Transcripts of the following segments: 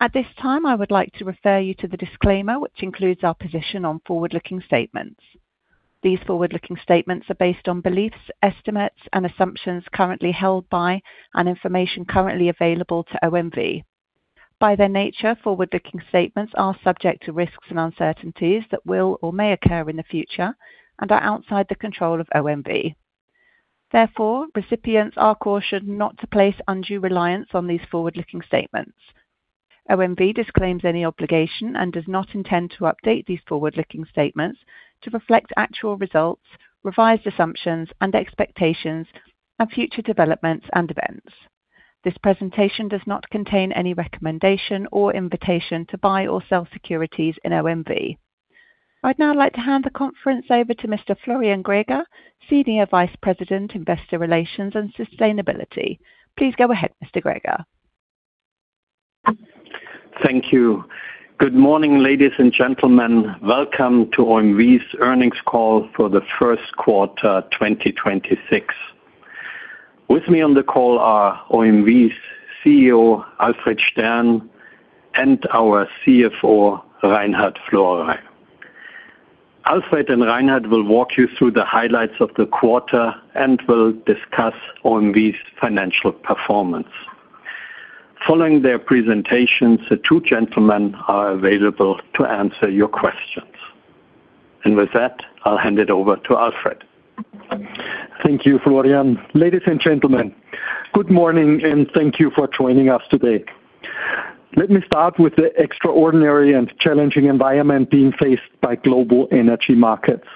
At this time, I would like to refer you to the disclaimer, which includes our position on forward-looking statements. These forward-looking statements are based on beliefs, estimates, and assumptions currently held by and information currently available to OMV. By their nature, forward-looking statements are subject to risks and uncertainties that will or may occur in the future and are outside the control of OMV. Therefore, recipients are cautioned not to place undue reliance on these forward-looking statements. OMV disclaims any obligation and does not intend to update these forward-looking statements to reflect actual results, revised assumptions and expectations of future developments and events. This presentation does not contain any recommendation or invitation to buy or sell securities in OMV. I'd now like to hand the conference over to Mr. Florian Greger, Senior Vice President, Investor Relations and Sustainability. Please go ahead, Mr. Greger. Thank you. Good morning, ladies and gentlemen. Welcome to OMV's earnings call for the first quarter 2026. With me on the call are OMV's CEO Alfred Stern and our CFO Reinhard Florey. Alfred and Reinhard will walk you through the highlights of the quarter and will discuss OMV's financial performance. Following their presentations, the two gentlemen are available to answer your questions. With that, I'll hand it over to Alfred. Thank you, Florian. Ladies and gentlemen, good morning, and thank you for joining us today. Let me start with the extraordinary and challenging environment being faced by global energy markets.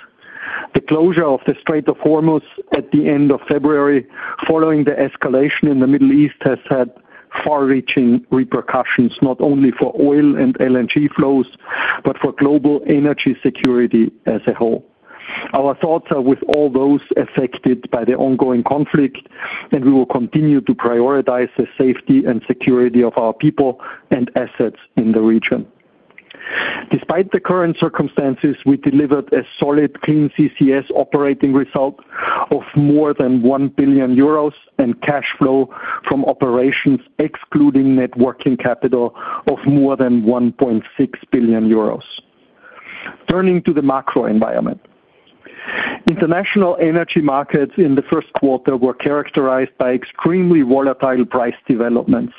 The closure of the Strait of Hormuz at the end of February, following the escalation in the Middle East, has had far-reaching repercussions, not only for oil and LNG flows, but for global energy security as a whole. Our thoughts are with all those affected by the ongoing conflict, and we will continue to prioritize the safety and security of our people and assets in the region. Despite the current circumstances, we delivered a solid Clean CCS Operating Result of more than 1 billion euros and cash flow from operations excluding net working capital of more than 1.6 billion euros. Turning to the macro environment. International energy markets in the first quarter were characterized by extremely volatile price developments.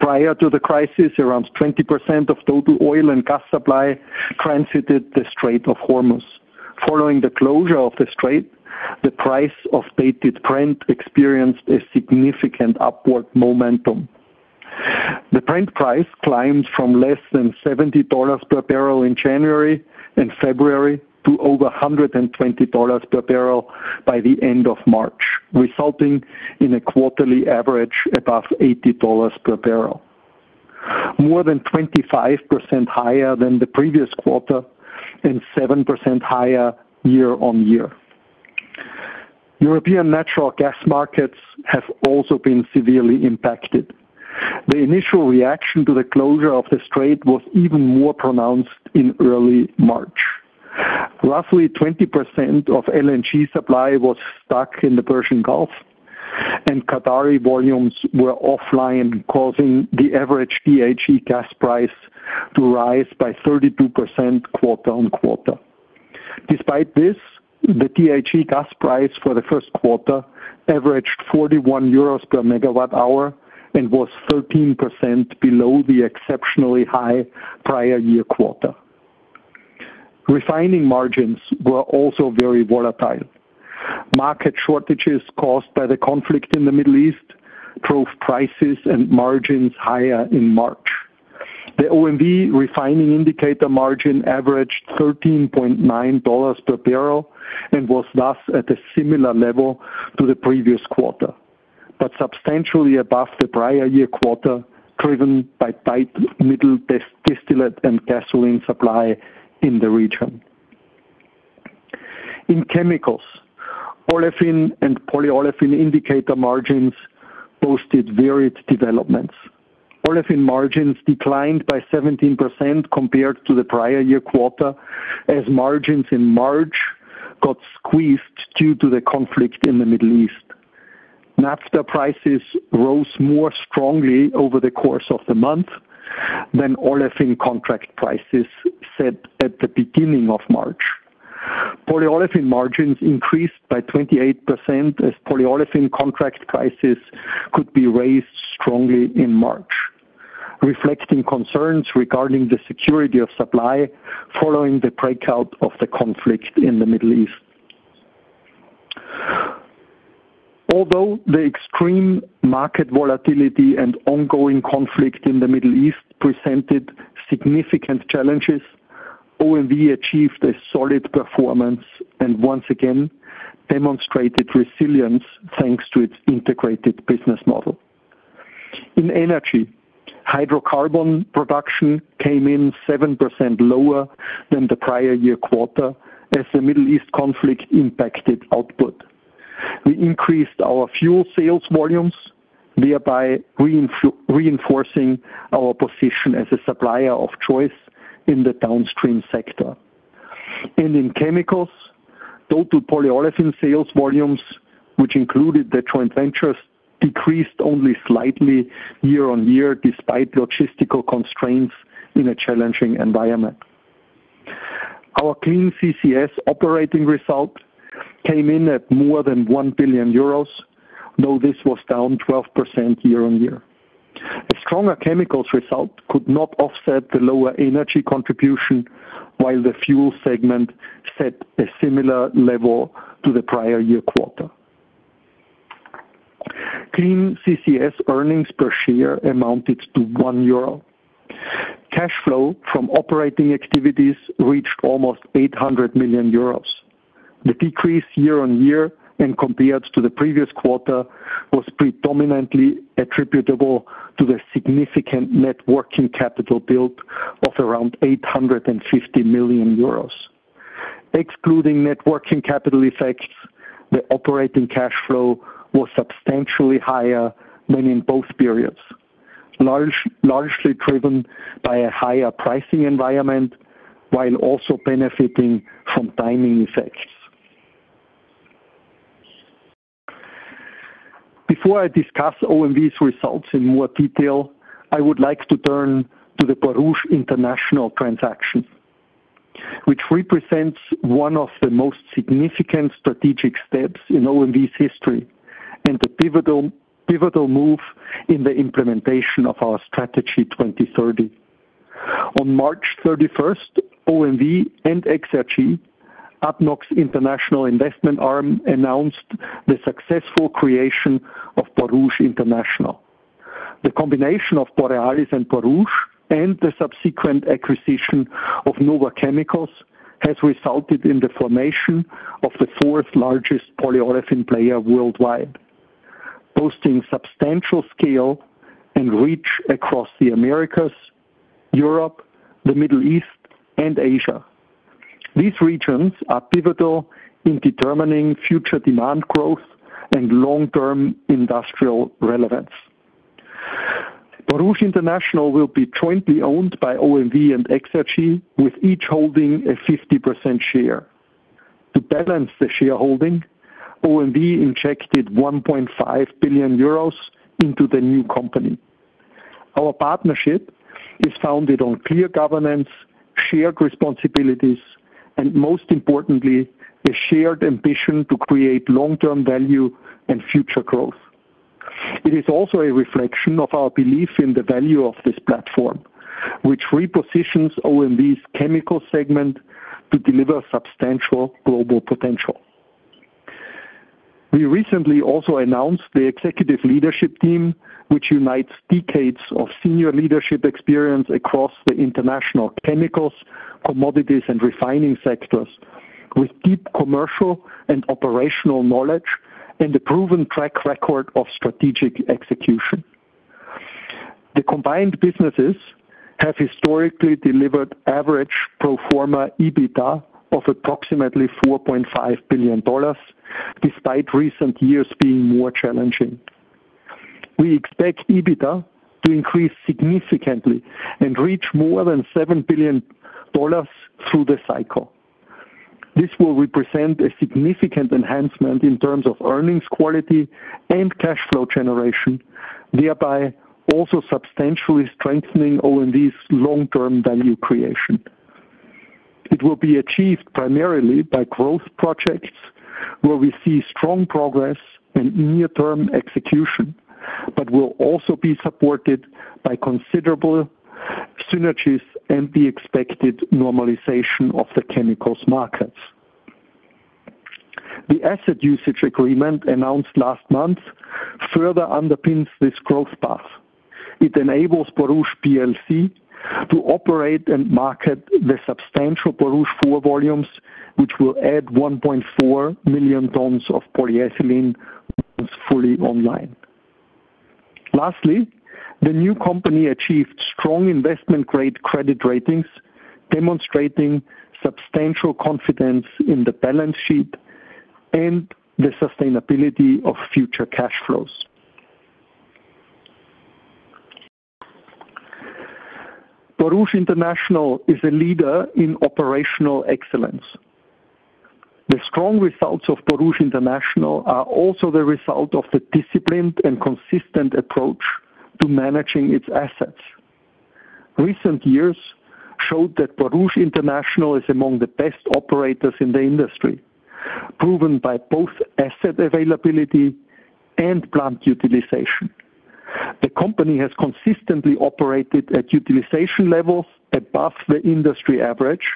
Prior to the crisis, around 20% of total oil and gas supply transited the Strait of Hormuz. Following the closure of the Strait, the price of Dated Brent experienced a significant upward momentum. The Brent price climbed from less than $70 per bbl in January and February to over $120 per bbl by the end of March, resulting in a quarterly average above $80 per bbl, more than 25% higher than the previous quarter and 7% higher year-on-year. European natural gas markets have also been severely impacted. The initial reaction to the closure of the Strait was even more pronounced in early March. Roughly 20% of LNG supply was stuck in the Persian Gulf, and Qatari volumes were offline, causing the average THE gas price to rise by 32% quarter-on-quarter. Despite this, the THE gas price for the first quarter averaged 41 euros per MWh and was 13% below the exceptionally high prior year quarter. Refining margins were also very volatile. Market shortages caused by the conflict in the Middle East drove prices and margins higher in March. The OMV refining indicator margin averaged $13.9 per bbl and was thus at a similar level to the previous quarter, but substantially above the prior year quarter, driven by tight middle distillate and gasoline supply in the region. In chemicals, olefin and polyolefin indicator margins posted varied developments. Olefin margins declined by 17% compared to the prior year quarter as margins in March got squeezed due to the conflict in the Middle East. Naphtha prices rose more strongly over the course of the month than olefin contract prices set at the beginning of March. Polyolefin margins increased by 28% as polyolefin contract prices could be raised strongly in March, reflecting concerns regarding the security of supply following the breakout of the conflict in the Middle East. Although the extreme market volatility and ongoing conflict in the Middle East presented significant challenges, OMV achieved a solid performance and once again demonstrated resilience thanks to its integrated business model. In energy, hydrocarbon production came in 7% lower than the prior year quarter as the Middle East conflict impacted output. We increased our fuel sales volumes, thereby reinforcing our position as a supplier of choice in the downstream sector. In chemicals, total polyolefin sales volumes, which included the joint ventures, decreased only slightly year-on-year despite logistical constraints in a challenging environment. Our Clean CCS Operating Result came in at more than 1 billion euros, though this was down 12% year-on-year. A stronger chemicals result could not offset the lower energy contribution, while the fuel segment set a similar level to the prior year quarter. Clean CCS Earnings Per Share amounted to 1 euro. Cash flow from operating activities reached almost 800 million euros. The decrease year-on-year and compared to the previous quarter was predominantly attributable to the significant net working capital build of around 850 million euros. Excluding net working capital effects, the operating cash flow was substantially higher than in both periods, largely driven by a higher pricing environment while also benefiting from timing effects. Before I discuss OMV's results in more detail, I would like to turn to the Borouge International transaction, which represents one of the most significant strategic steps in OMV's history and the pivotal move in the implementation of our Strategy 2030. On March 31st, OMV and XRG, ADNOC's international investment arm, announced the successful creation of Borouge International. The combination of Borealis and Borouge and the subsequent acquisition of NOVA Chemicals has resulted in the formation of the fourth-largest polyolefin player worldwide, boasting substantial scale and reach across the Americas, Europe, the Middle East, and Asia. These regions are pivotal in determining future demand growth and long-term industrial relevance. Borouge International will be jointly owned by OMV and XRG, with each holding a 50% share. To balance the shareholding, OMV injected 1.5 billion euros into the new company. Our partnership is founded on clear governance, shared responsibilities, and most importantly, a shared ambition to create long-term value and future growth. It is also a reflection of our belief in the value of this platform, which repositions OMV's chemical segment to deliver substantial global potential. We recently also announced the executive leadership team, which unites decades of senior leadership experience across the international chemicals, commodities, and refining sectors with deep commercial and operational knowledge and a proven track record of strategic execution. The combined businesses have historically delivered average pro forma EBITDA of approximately $4.5 billion, despite recent years being more challenging. We expect EBITDA to increase significantly and reach more than $7 billion through the cycle. This will represent a significant enhancement in terms of earnings quality and cash flow generation, thereby also substantially strengthening OMV's long-term value creation. It will be achieved primarily by growth projects where we see strong progress and near-term execution, but will also be supported by considerable synergies and the expected normalization of the chemicals markets. The asset usage agreement announced last month further underpins this growth path. It enables Borouge PLC to operate and market the substantial Borouge 4 volumes, which will add 1.4 million tons of polyethylene once fully online. Lastly, the new company achieved strong investment-grade credit ratings, demonstrating substantial confidence in the balance sheet and the sustainability of future cash flows. Borouge International is a leader in operational excellence. The strong results of Borouge International are also the result of the disciplined and consistent approach to managing its assets. Recent years showed that Borouge International is among the best operators in the industry, proven by both asset availability and plant utilization. The company has consistently operated at utilization levels above the industry average,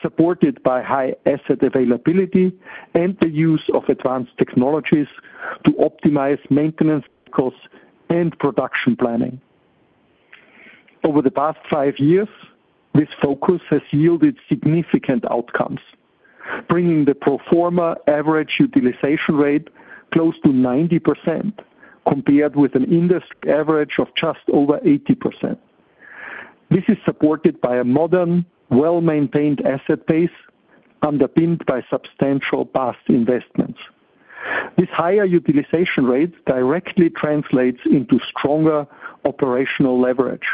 supported by high asset availability and the use of advanced technologies to optimize maintenance costs and production planning. Over the past five years, this focus has yielded significant outcomes, bringing the pro forma average utilization rate close to 90% compared with an industry average of just over 80%. This is supported by a modern, well-maintained asset base underpinned by substantial past investments. This higher utilization rate directly translates into stronger operational leverage,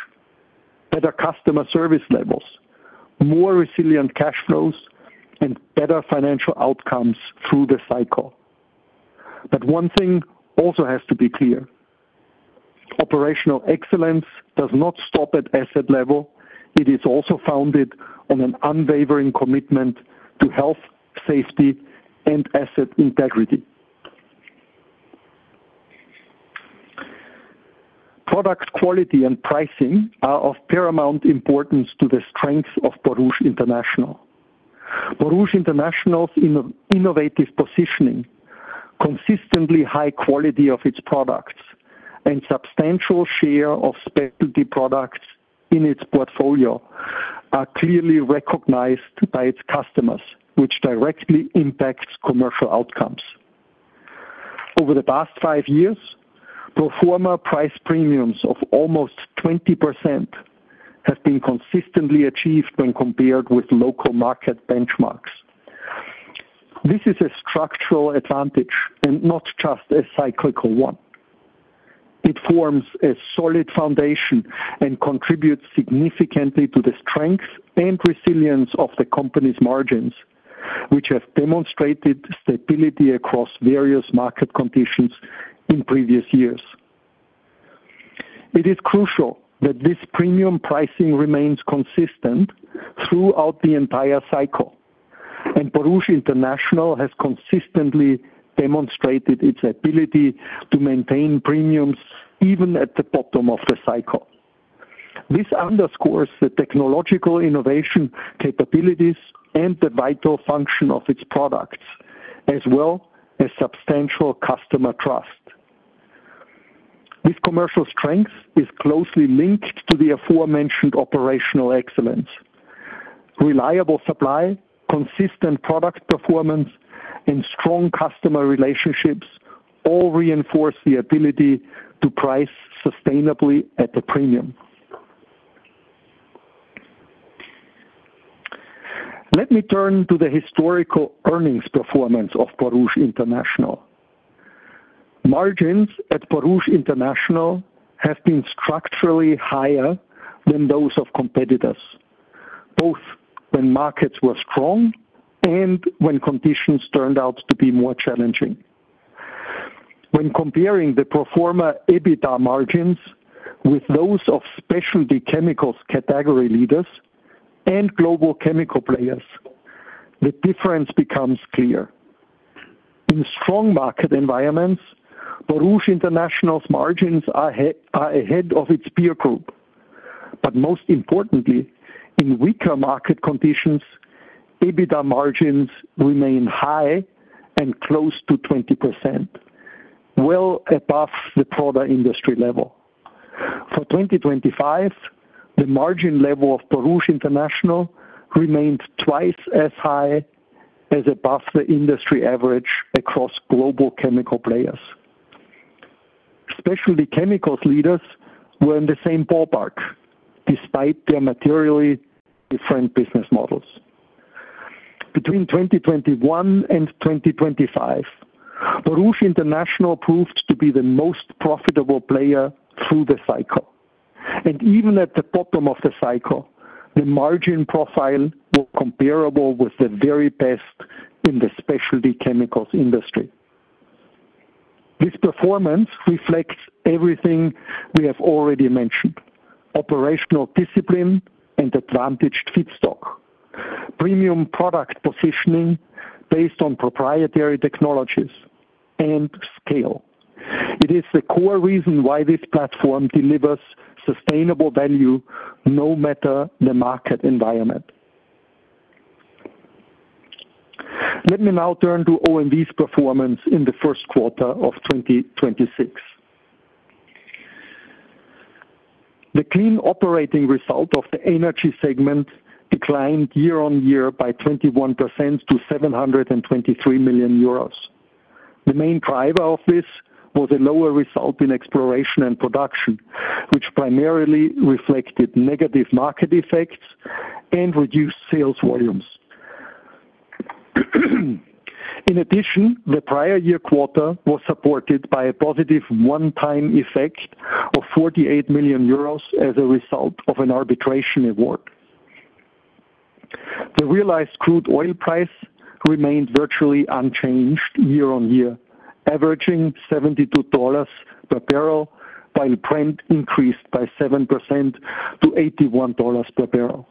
better customer service levels, more resilient cash flows, and better financial outcomes through the cycle. One thing also has to be clear. Operational excellence does not stop at asset level. It is also founded on an unwavering commitment to health, safety, and asset integrity. Product quality and pricing are of paramount importance to the strength of Borouge International. Borouge International's innovative positioning, consistently high quality of its products, and substantial share of specialty products in its portfolio are clearly recognized by its customers, which directly impacts commercial outcomes. Over the past five years, pro forma price premiums of almost 20% have been consistently achieved when compared with local market benchmarks. This is a structural advantage and not just a cyclical one. It forms a solid foundation and contributes significantly to the strength and resilience of the company's margins, which have demonstrated stability across various market conditions in previous years. It is crucial that this premium pricing remains consistent throughout the entire cycle, and Borouge International has consistently demonstrated its ability to maintain premiums even at the bottom of the cycle. This underscores the technological innovation capabilities and the vital function of its products, as well as substantial customer trust. This commercial strength is closely linked to the aforementioned operational excellence. Reliable supply, consistent product performance, and strong customer relationships all reinforce the ability to price sustainably at a premium. Let me turn to the historical earnings performance of Borouge International. Margins at Borouge International have been structurally higher than those of competitors, both when markets were strong and when conditions turned out to be more challenging. When comparing the pro forma EBITDA margins with those of specialty chemicals category leaders and global chemical players, the difference becomes clear. In strong market environments, Borouge International's margins are ahead of its peer group. Most importantly, in weaker market conditions, EBITDA margins remain high and close to 20%, well above the broader industry level. For 2025, the margin level of Borouge International remained twice as high as above the industry average across global chemical players. Specialty chemicals leaders were in the same ballpark despite their materially different business models. Between 2021 and 2025, Borouge International proved to be the most profitable player through the cycle. Even at the bottom of the cycle, the margin profile was comparable with the very best in the specialty chemicals industry. This performance reflects everything we have already mentioned: operational discipline and advantaged feedstock, premium product positioning based on proprietary technologies, and scale. It is the core reason why this platform delivers sustainable value no matter the market environment. Let me now turn to OMV's performance in the first quarter of 2026. The clean operating result of the energy segment declined year-on-year by 21% to 723 million euros. The main driver of this was a lower result in exploration and production, which primarily reflected negative market effects and reduced sales volumes. In addition, the prior year quarter was supported by a positive one-time effect of 48 million euros as a result of an arbitration award. The realized crude oil price remained virtually unchanged year-on-year, averaging $72 per bbl, while Brent increased by 7% to $81 per bbl.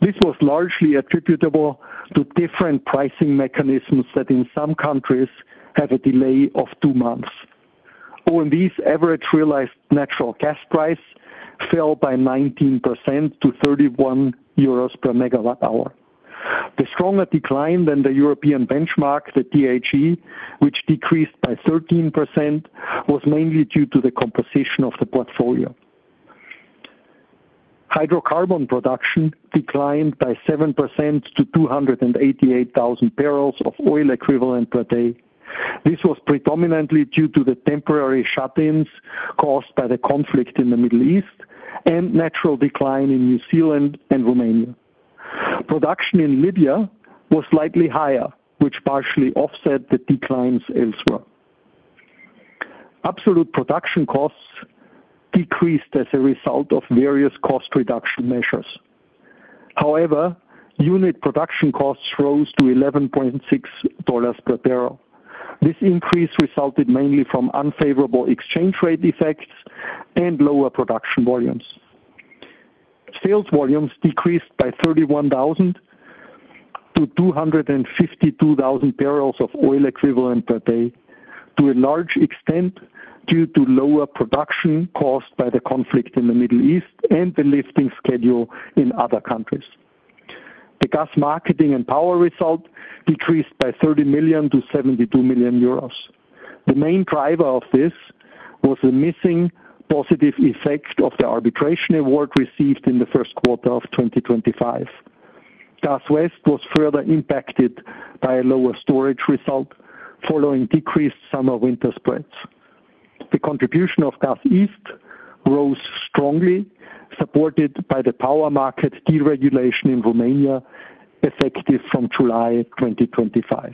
This was largely attributable to different pricing mechanisms that in some countries have a delay of 2 months. OMV's average realized natural gas price fell by 19% to 31 euros per MWh. The stronger decline than the European benchmark, the THE, which decreased by 13%, was mainly due to the composition of the portfolio. Hydrocarbon production declined by 7% to 288,000 barrels of oil equivalent per day. This was predominantly due to the temporary shut-ins caused by the conflict in the Middle East and natural decline in New Zealand and Romania. Production in Libya was slightly higher, which partially offset the declines elsewhere. Absolute production costs decreased as a result of various cost reduction measures. However, unit production costs rose to $11.6 per bbl. This increase resulted mainly from unfavorable exchange rate effects and lower production volumes. Sales volumes decreased by 31,000 to 252,000 bbl of oil equivalent per day, to a large extent due to lower production caused by the conflict in the Middle East and the lifting schedule in other countries. The gas marketing and power result decreased by 30 million - 72 million euros. The main driver of this was the missing positive effect of the arbitration award received in the first quarter of 2025. Gas West was further impacted by a lower storage result following decreased summer-winter spreads. The contribution of Gas East rose strongly, supported by the power market deregulation in Romania, effective from July 2025.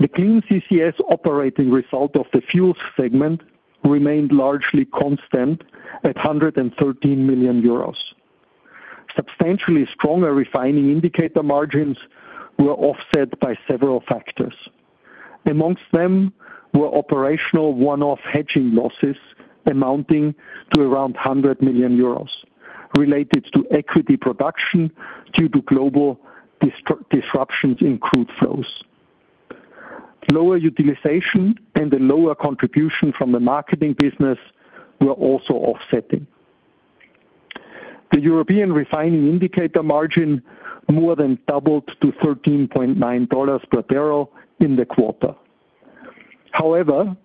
The Clean CCS Operating Result of the fuels segment remained largely constant at 113 million euros. Substantially stronger refining indicator margins were offset by several factors. Among them were operational one-off hedging losses amounting to around 100 million euros related to equity production due to global disruptions in crude flows. Lower utilization and a lower contribution from the marketing business were also offsetting. The European refining indicator margin more than doubled to $13.9 per bbl in the quarter. However,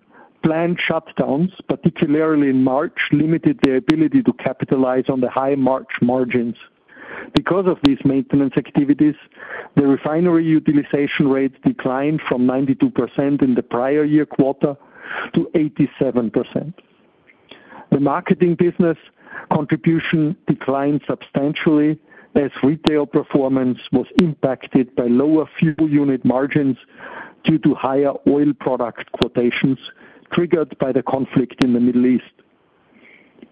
planned shutdowns, particularly in March, limited the ability to capitalize on the high March margins. Because of these maintenance activities, the refinery utilization rate declined from 92% in the prior year quarter to 87%. The marketing business contribution declined substantially as retail performance was impacted by lower fuel unit margins due to higher oil product quotations triggered by the conflict in the Middle East.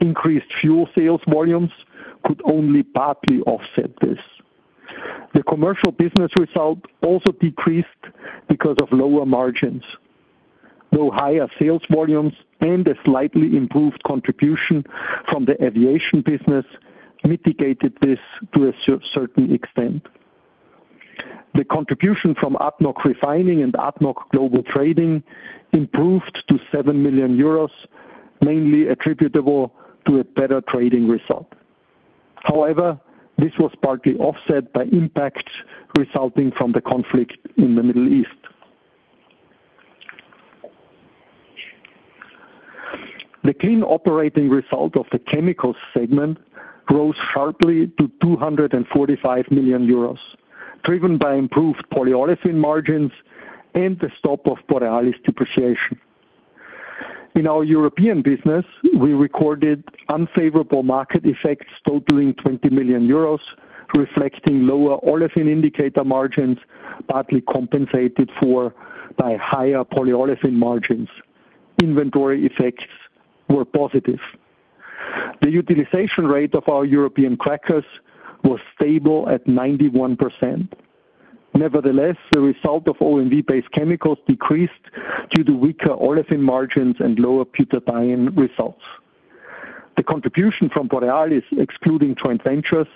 Increased fuel sales volumes could only partly offset this. The commercial business result also decreased because of lower margins, though higher sales volumes and a slightly improved contribution from the aviation business mitigated this to a certain extent. The contribution from ADNOC Refining and ADNOC Global Trading improved to 7 million euros, mainly attributable to a better trading result. This was partly offset by impacts resulting from the conflict in the Middle East. The clean operating result of the chemicals segment rose sharply to 245 million euros, driven by improved polyolefin margins and the stop of Borealis depreciation. In our European business, we recorded unfavorable market effects totaling 20 million euros, reflecting lower olefin indicator margins, partly compensated for by higher polyolefin margins. Inventory effects were positive. The utilization rate of our European crackers was stable at 91%. Nevertheless, the result of OMV-based chemicals decreased due to weaker olefin margins and lower butadiene results. The contribution from Borealis, excluding joint ventures,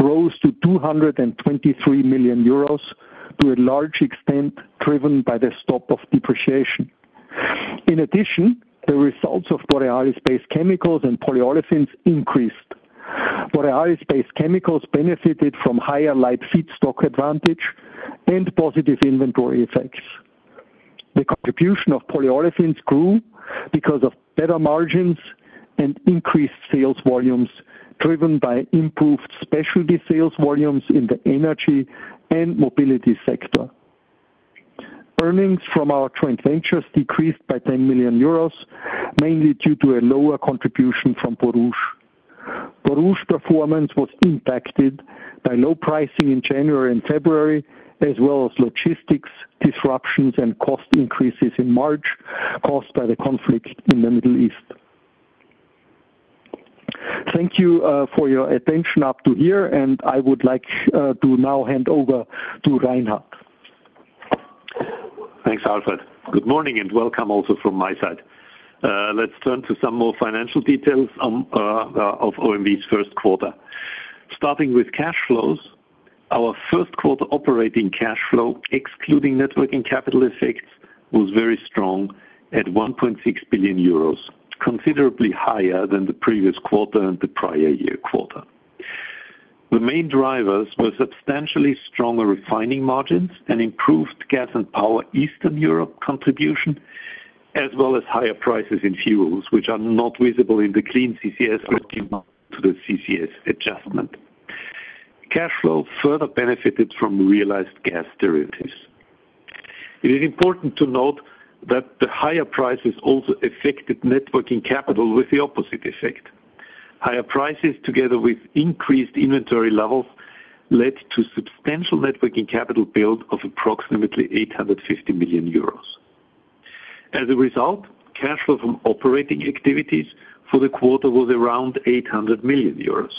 rose to 223 million euros to a large extent driven by the stop of depreciation. In addition, the results of Borealis-based chemicals and polyolefins increased. Borealis-based chemicals benefited from higher light feedstock advantage and positive inventory effects. The contribution of polyolefins grew because of better margins and increased sales volumes driven by improved specialty sales volumes in the energy and mobility sector. Earnings from our joint ventures decreased by 10 million euros, mainly due to a lower contribution from Borouge. Borouge performance was impacted by low pricing in January and February, as well as logistics disruptions and cost increases in March caused by the conflict in the Middle East. Thank you for your attention up to here, and I would like to now hand over to Reinhard. Thanks, Alfred. Good morning and welcome also from my side. Let's turn to some more financial details of OMV's first quarter. Starting with cash flows, our first quarter operating cash flow, excluding networking capital effects, was very strong at 1.6 billion euros, considerably higher than the previous quarter and the prior year quarter. The main drivers were substantially stronger refining margins and improved Gas & Power Eastern Europe contribution, as well as higher prices in fuels, which are not visible in the Clean CCS to the CCS adjustment. Cash flow further benefited from realized gas derivatives. It is important to note that the higher prices also affected networking capital with the opposite effect. Higher prices, together with increased inventory levels, led to substantial networking capital build of approximately 850 million euros. As a result, cash flow from operating activities for the quarter was around 800 million euros.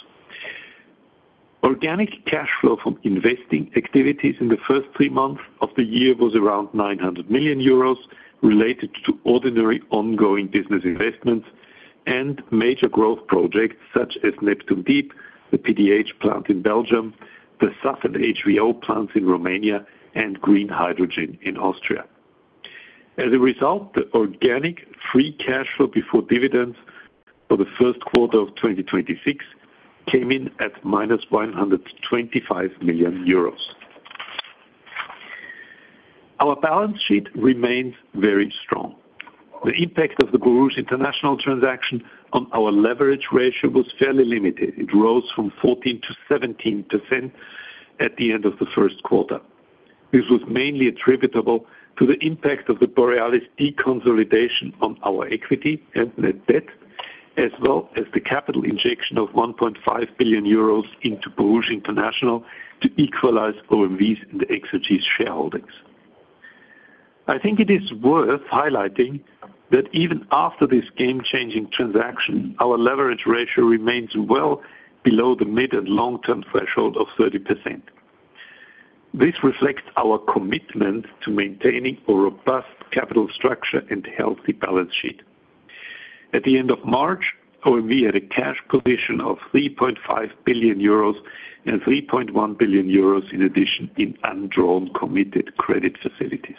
Organic cash flow from investing activities in the first three months of the year was around 900 million euros, related to ordinary ongoing business investments and major growth projects such as Neptun Deep, the PDH plant in Belgium, the SAF HVO plants in Romania, and green hydrogen in Austria. As a result, the organic free cash flow before dividends for the first quarter of 2026 came in at minus 125 million euros. Our balance sheet remains very strong. The impact of the Borouge International transaction on our leverage ratio was fairly limited. It rose from 14% - 17% at the end of the first quarter. This was mainly attributable to the impact of the Borealis deconsolidation on our equity and net debt, as well as the capital injection of 1.5 billion euros into Borouge International to equalize OMV's and the XRG's shareholdings. I think it is worth highlighting that even after this game-changing transaction, our leverage ratio remains well below the mid and long-term threshold of 30%. This reflects our commitment to maintaining a robust capital structure and healthy balance sheet. At the end of March, OMV had a cash position of 3.5 billion euros and 3.1 billion euros in addition in undrawn committed credit facilities.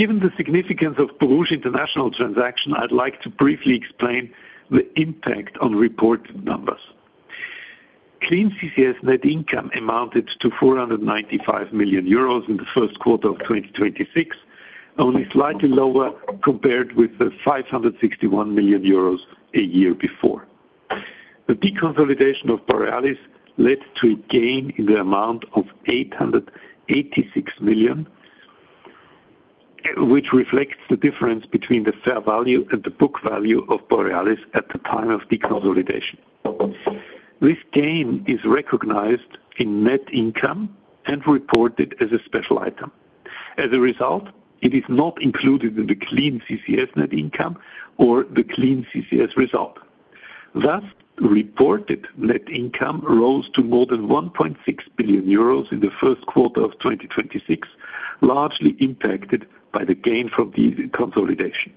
Given the significance of Borouge International transaction, I'd like to briefly explain the impact on reported numbers. Clean CCS net income amounted to 495 million euros in the first quarter of 2026, only slightly lower compared with the 561 million euros a year before. The deconsolidation of Borealis led to a gain in the amount of 886 million, which reflects the difference between the fair value and the book value of Borealis at the time of deconsolidation. This gain is recognized in net income and reported as a special item. As a result, it is not included in the Clean CCS net income or the Clean CCS result. Thus, reported net income rose to more than 1.6 billion euros in the first quarter of 2026, largely impacted by the gain from deconsolidation.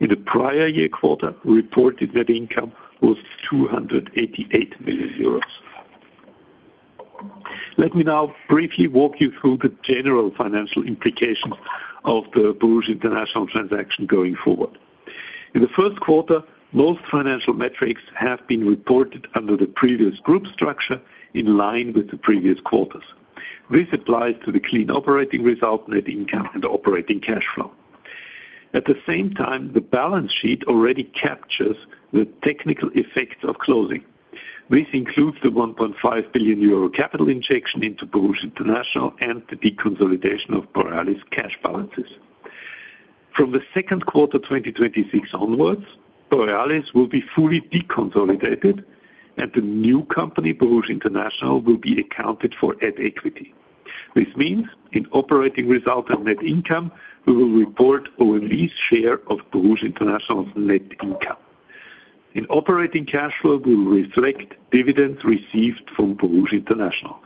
In the prior year quarter, reported net income was 288 million euros. Let me now briefly walk you through the general financial implications of the Borouge International transaction going forward. In the first quarter, most financial metrics have been reported under the previous group structure in line with the previous quarters. This applies to the clean operating result, net income, and operating cash flow. At the same time, the balance sheet already captures the technical effects of closing. This includes the 1.5 billion euro capital injection into Borouge International and the deconsolidation of Borealis cash balances. From the second quarter 2026 onwards, Borealis will be fully deconsolidated and the new company, Borouge International, will be accounted for at equity. This means in operating result and net income, we will report OMV's share of Borouge International's net income. In operating cash flow, we will reflect dividends received from Borouge International.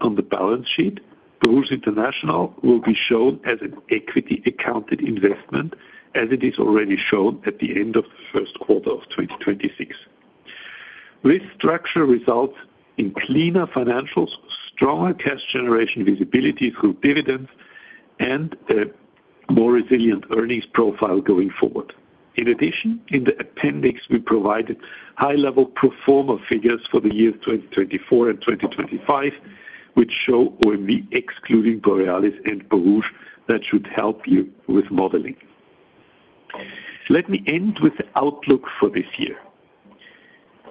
On the balance sheet, Borouge International will be shown as an equity accounted investment as it is already shown at the end of the first quarter of 2026. This structure results in cleaner financials, stronger cash generation visibility through dividends, and a more resilient earnings profile going forward. In addition, in the appendix, we provided high-level pro forma figures for the years 2024 and 2025, which show OMV excluding Borealis and Borouge that should help you with modeling. Let me end with the outlook for this year.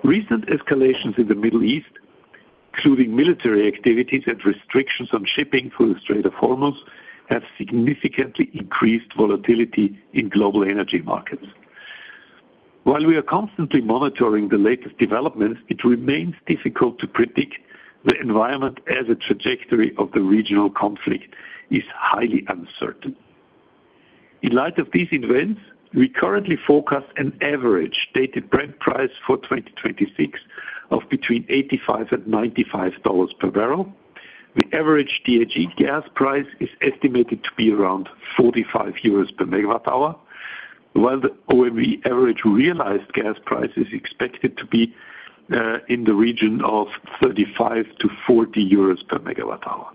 Recent escalations in the Middle East, including military activities and restrictions on shipping through the Strait of Hormuz, have significantly increased volatility in global energy markets. While we are constantly monitoring the latest developments, it remains difficult to predict the environment as a trajectory of the regional conflict is highly uncertain. In light of these events, we currently forecast an average Dated Brent price for 2026 of between $85 and $95 per bbl. The average THE gas price is estimated to be around 45 euros per MWh. While the OMV average realized gas price is expected to be in the region of 35-40 euros per MWh.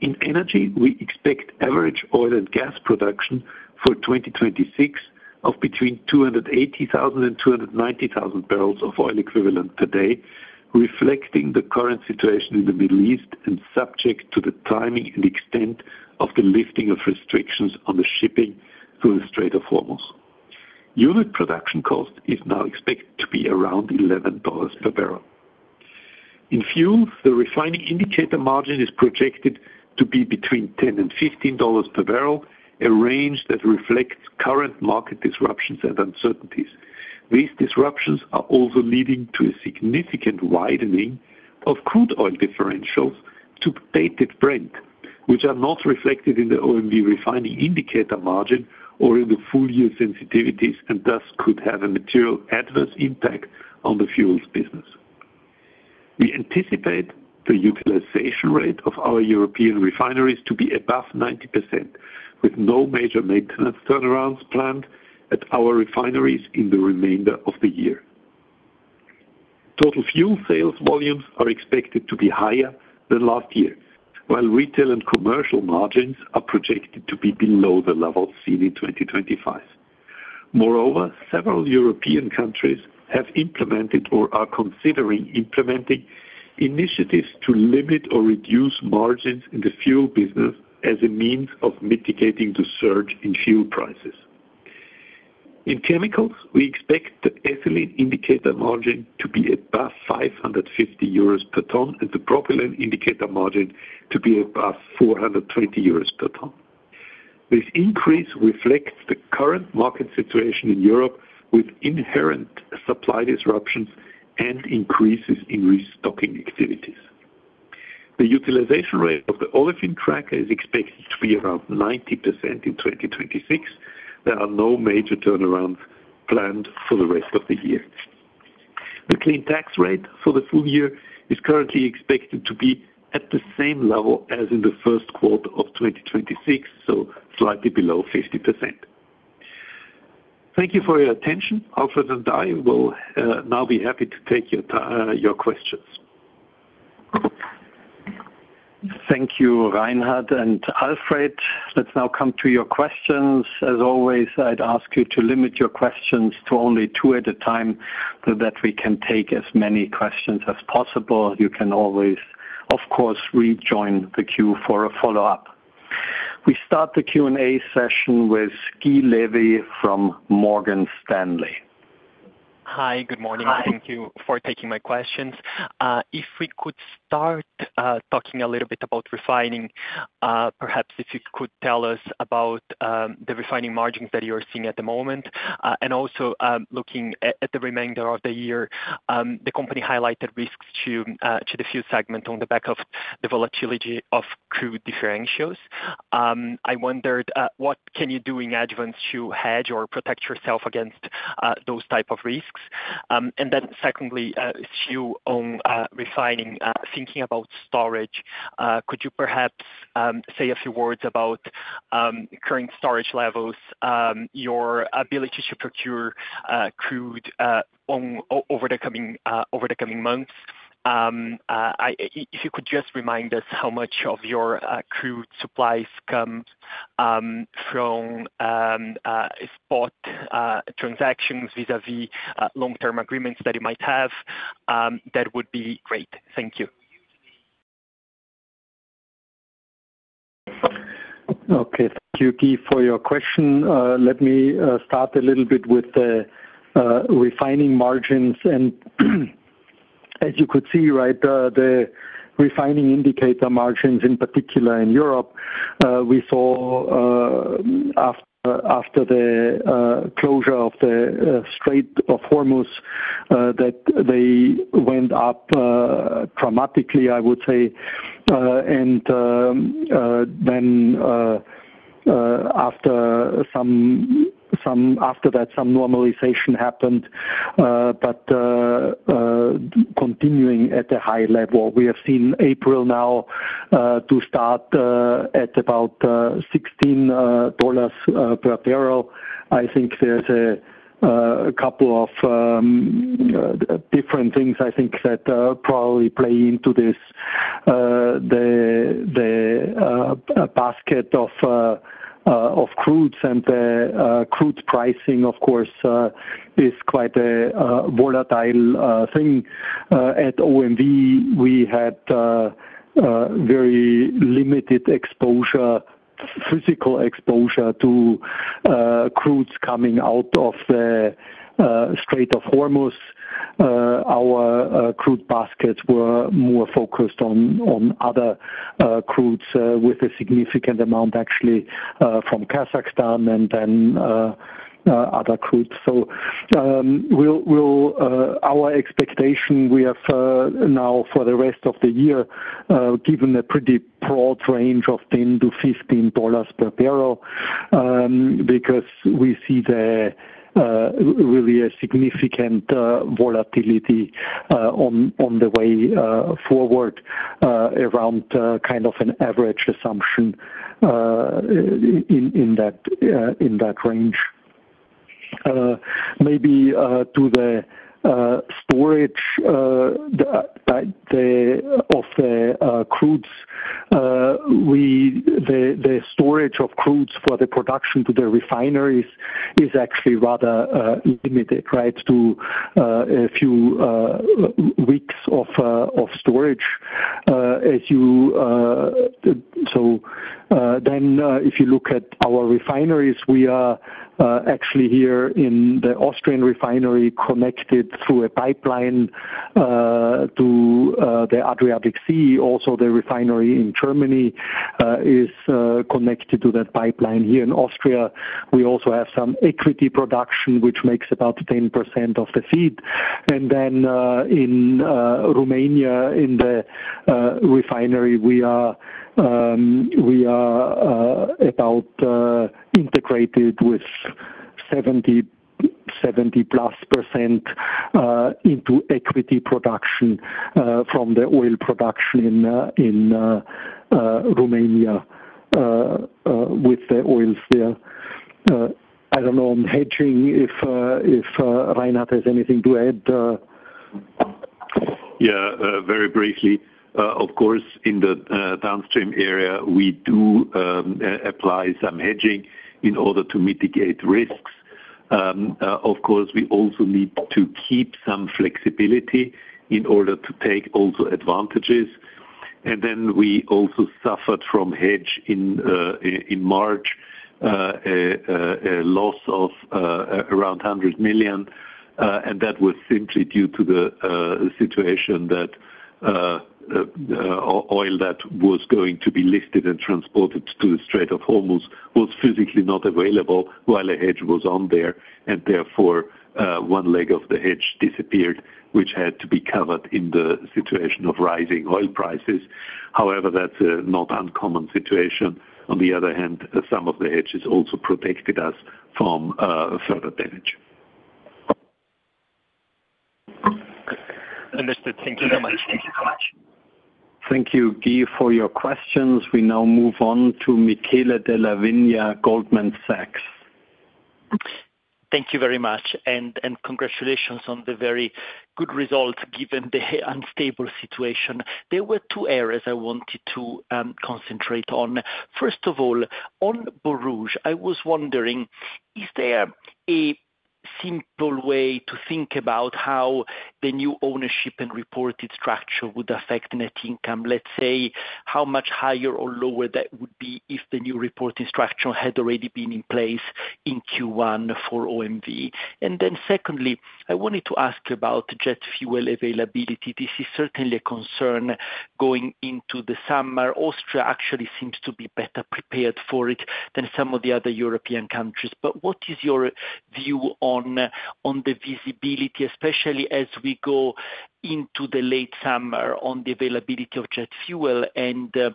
In energy, we expect average oil and gas production for 2026 of between 280,000 and 290,000 bbl of oil equivalent per day, reflecting the current situation in the Middle East and subject to the timing and extent of the lifting of restrictions on the shipping through the Strait of Hormuz. Unit production cost is now expected to be around $11 per barrel. In fuel, the refining indicator margin is projected to be between $10-$15 per bbl, a range that reflects current market disruptions and uncertainties. These disruptions are also leading to a significant widening of crude oil differentials to Dated Brent, which are not reflected in the OMV refining indicator margin or in the full-year sensitivities and thus could have a material adverse impact on the fuels business. We anticipate the utilization rate of our European refineries to be above 90%, with no major maintenance turnarounds planned at our refineries in the remainder of the year. Total fuel sales volumes are expected to be higher than last year, while retail and commercial margins are projected to be below the levels seen in 2025. Moreover, several European countries have implemented or are considering implementing initiatives to limit or reduce margins in the fuel business as a means of mitigating the surge in fuel prices. In chemicals, we expect the ethylene indicator margin to be above 550 euros per ton and the propylene indicator margin to be above 420 euros per ton. This increase reflects the current market situation in Europe with inherent supply disruptions and increases in restocking activities. The utilization rate of the olefin cracker is expected to be around 90% in 2026. There are no major turnarounds planned for the rest of the year. The clean tax rate for the full year is currently expected to be at the same level as in the first quarter of 2026, so slightly below 50%. Thank you for your attention. Alfred and I will now be happy to take your questions. Thank you, Reinhard and Alfred. Let's now come to your questions. As always, I'd ask you to limit your questions to only two at a time so that we can take as many questions as possible. You can always, of course, rejoin the queue for a follow-up. We start the Q&A session with Guy Levy from Morgan Stanley. Hi, good morning. Hi. Thank you for taking my questions. If we could start talking a little bit about refining, perhaps if you could tell us about the refining margins that you're seeing at the moment. Also, looking at the remainder of the year, the company highlighted risks to the fuel segment on the back of the volatility of crude differentials. I wondered what can you do in advance to hedge or protect yourself against those type of risks? Then secondly, a few on refining, thinking about storage, could you perhaps say a few words about current storage levels, your ability to procure crude over the coming months? If you could just remind us how much of your crude supplies come from spot transactions vis-a-vis long-term agreements that you might have, that would be great. Thank you. Okay. Thank you, Guy, for your question. Let me start a little bit with the refining margins. As you could see, right, the refining indicator margins, in particular in Europe, we saw after the closure of the Strait of Hormuz that they went up dramatically, I would say. Then after that, some normalization happened, but continuing at a high level. We have seen April now to start at about $16 per bbl. I think there's a couple of different things I think that probably play into this. The basket of crudes and the crude pricing, of course, is quite a volatile thing. At OMV, we had very limited exposure, physical exposure to crudes coming out of the Strait of Hormuz. Our crude baskets were more focused on other crudes, with a significant amount actually from Kazakhstan and then other crudes. We'll our expectation, we have now for the rest of the year, given a pretty broad range of $10-$15 per bbl, because we see the really a significant volatility on the way forward, around kind of an average assumption in that range. Maybe to the storage of crudes for the production to the refineries is actually rather limited, right, to a few weeks of storage. As you so, if you look at our refineries, we are actually here in the Austrian refinery connected through a pipeline to the Adriatic Sea, also the refinery in Germany is connected to that pipeline here in Austria. We also have some equity production, which makes about 10% of the feed. In Romania, in the refinery, we are about integrated with 70-plus % into equity production from the oil production in Romania with the oils there. I don't know, on hedging, if Reinhard has anything to add. Very briefly. Of course, in the downstream area, we do apply some hedging in order to mitigate risks. Of course, we also need to keep some flexibility in order to take also advantages. Then we also suffered from hedge in March, a loss of around 100 million, and that was simply due to the situation that oil that was going to be listed and transported to the Strait of Hormuz was physically not available while a hedge was on there, therefore, one leg of the hedge disappeared, which had to be covered in the situation of rising oil prices. However, that's a not uncommon situation. On the other hand, some of the hedges also protected us from further damage. Understood. Thank you so much. Thank you, Guy, for your questions. We now move on to Michele Della Vigna, Goldman Sachs. Thank you very much, and congratulations on the very good results given the unstable situation. There were two areas I wanted to concentrate on. First of all, on Borouge, I was wondering, is there a simple way to think about how the new ownership and reported structure would affect net income? Let's say, how much higher or lower that would be if the new reporting structure had already been in place in Q1 for OMV? Secondly, I wanted to ask about jet fuel availability. This is certainly a concern going into the summer. Austria actually seems to be better prepared for it than some of the other European countries. What is your view on the visibility, especially as we go into the late summer, on the availability of jet fuel and the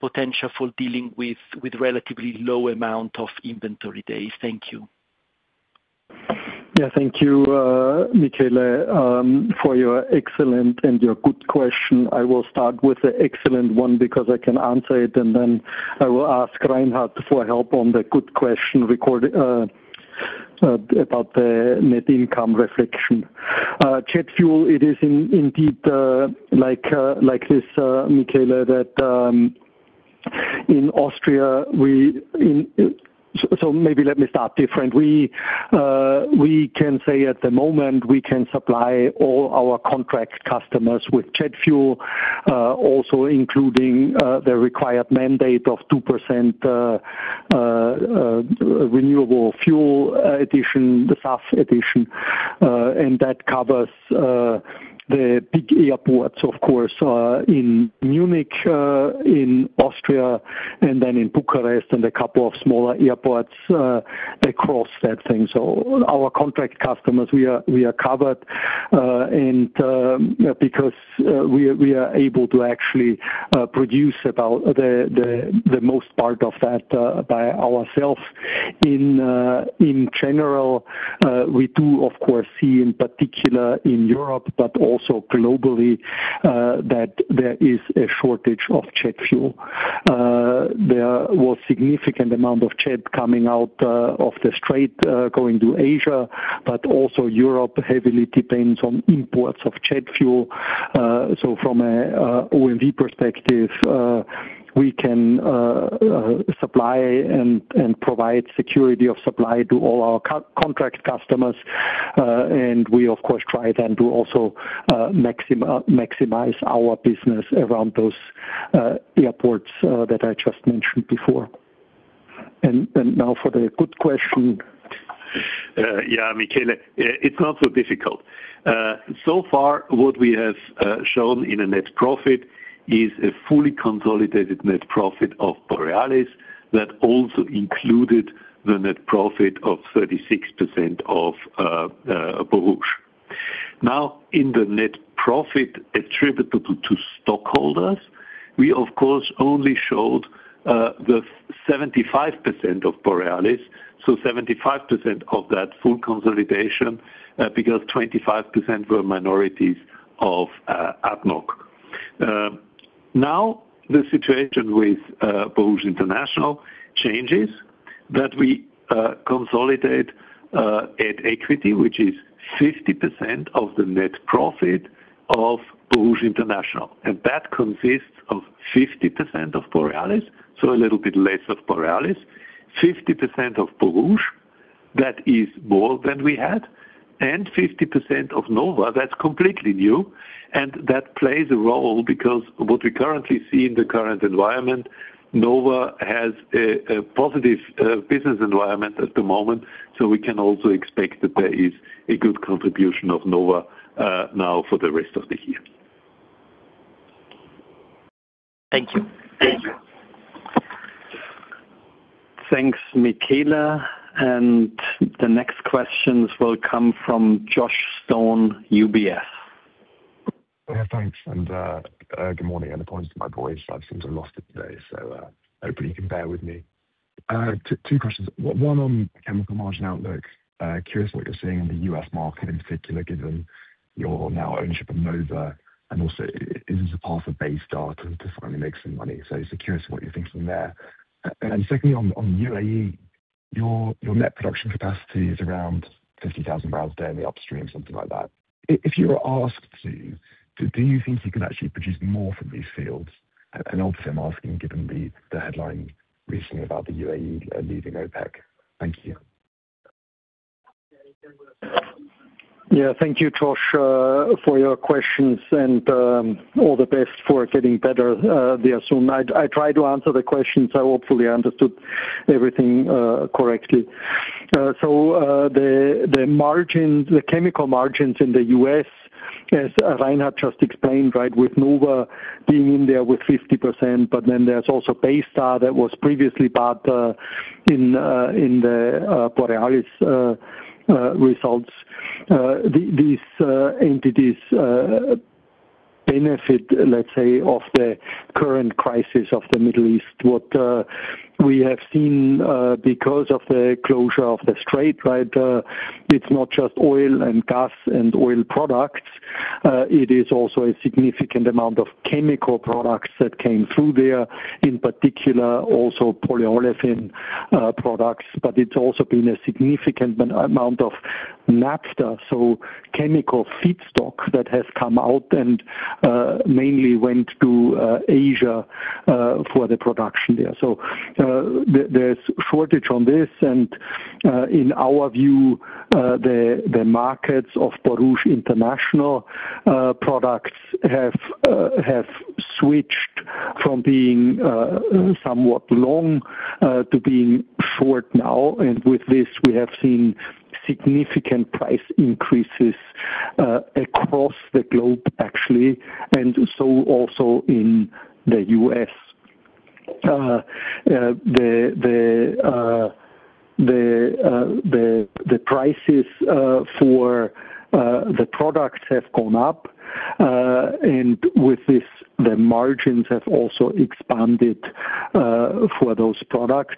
potential for dealing with relatively low amount of inventory days? Thank you. Thank you, Michele, for your excellent and your good question. I will start with the excellent one because I can answer it, and then I will ask Reinhard for help on the good question about the net income reflection. Jet fuel, it is indeed like like this, Michele, that in Austria, we. Maybe let me start different. We can say at the moment, we can supply all our contract customers with jet fuel, also including the required mandate of 2% renewable fuel addition, the SAF addition, and that covers the big airports, of course, in Munich, in Austria and then in Bucharest and a couple of smaller airports across that thing. Our contract customers, we are covered, and because we are able to actually produce about the most part of that by ourselves. In general, we do, of course, see in particular in Europe, but also globally, that there is a shortage of jet fuel. There was significant amount of jet coming out of the Strait, going to Asia, but also Europe heavily depends on imports of jet fuel. From an OMV perspective, we can supply and provide security of supply to all our co-contract customers. We, of course, try then to also maximize our business around those airports that I just mentioned before. Now for the good question. Yeah, Michele, it's not so difficult. So far what we have shown in a net profit is a fully consolidated net profit of Borealis that also included the net profit of 36% of Borouge. In the net profit attributable to stockholders, we of course only showed the 75% of Borealis, so 75% of that full consolidation, because 25% were minorities of ADNOC. The situation with Borouge International changes that we consolidate at equity, which is 50% of the net profit of Borouge International. That consists of 50% of Borealis, so a little bit less of Borealis. 50% of Borouge, that is more than we had, and 50% of Nova, that's completely new. That plays a role because what we currently see in the current environment, NOVA has a positive business environment at the moment, so we can also expect that there is a good contribution of NOVA now for the rest of the year. Thank you. Thanks, Michele Della Vigna. The next questions will come from Joshua Stone, UBS. Thanks. Good morning. Apologies for my voice. I've seem to have lost it today, hopefully you can bear with me. 2 questions. 1 on chemical margin outlook. Curious what you're seeing in the U.S. market in particular, given your now ownership of Nova, and also is this a path of Baystar to finally make some money? Just curious what you're thinking there. Secondly, on UAE, your net production capacity is around 50,000 bpd in the upstream, something like that. If you were asked to, do you think you can actually produce more from these fields? Obviously I'm asking given the headline recently about the UAE leaving OPEC. Thank you. Yeah. Thank you, Josh, for your questions and all the best for getting better there soon. I try to answer the questions. Hopefully I understood everything correctly. The chemical margins in the U.S., as Reinhard Florey just explained, right, with NOVA Chemicals being in there with 50%, but then there's also Baystar that was previously part in the Borealis results. These entities benefit, let's say, of the current crisis of the Middle East. What we have seen because of the closure of the Strait, right, it's not just oil and gas and oil products. It is also a significant amount of chemical products that came through there, in particular also polyolefin products, but it's also been a significant amount of naphtha, so chemical feedstock that has come out and mainly went to Asia for the production there. There's shortage on this and in our view, the markets of Borouge International products have switched from being somewhat long to being short now. With this, we have seen significant price increases across the globe actually, also in the U.S. The prices for the products have gone up. With this, the margins have also expanded for those products.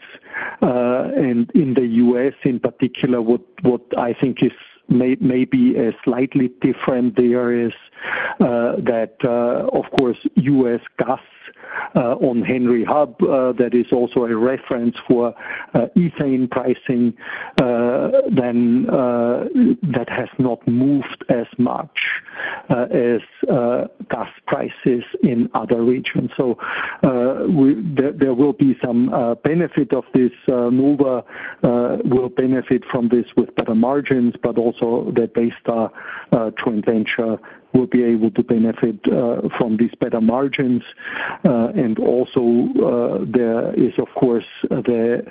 In the U.S. in particular, what I think is maybe a slightly different there is, that, of course, U.S. gas on Henry Hub, that is also a reference for ethane pricing, then that has not moved as much as gas prices in other regions. There will be some benefit of this. NOVA Chemicals will benefit from this with better margins, but also the Baystar joint venture will be able to benefit from these better margins. Also, there is of course the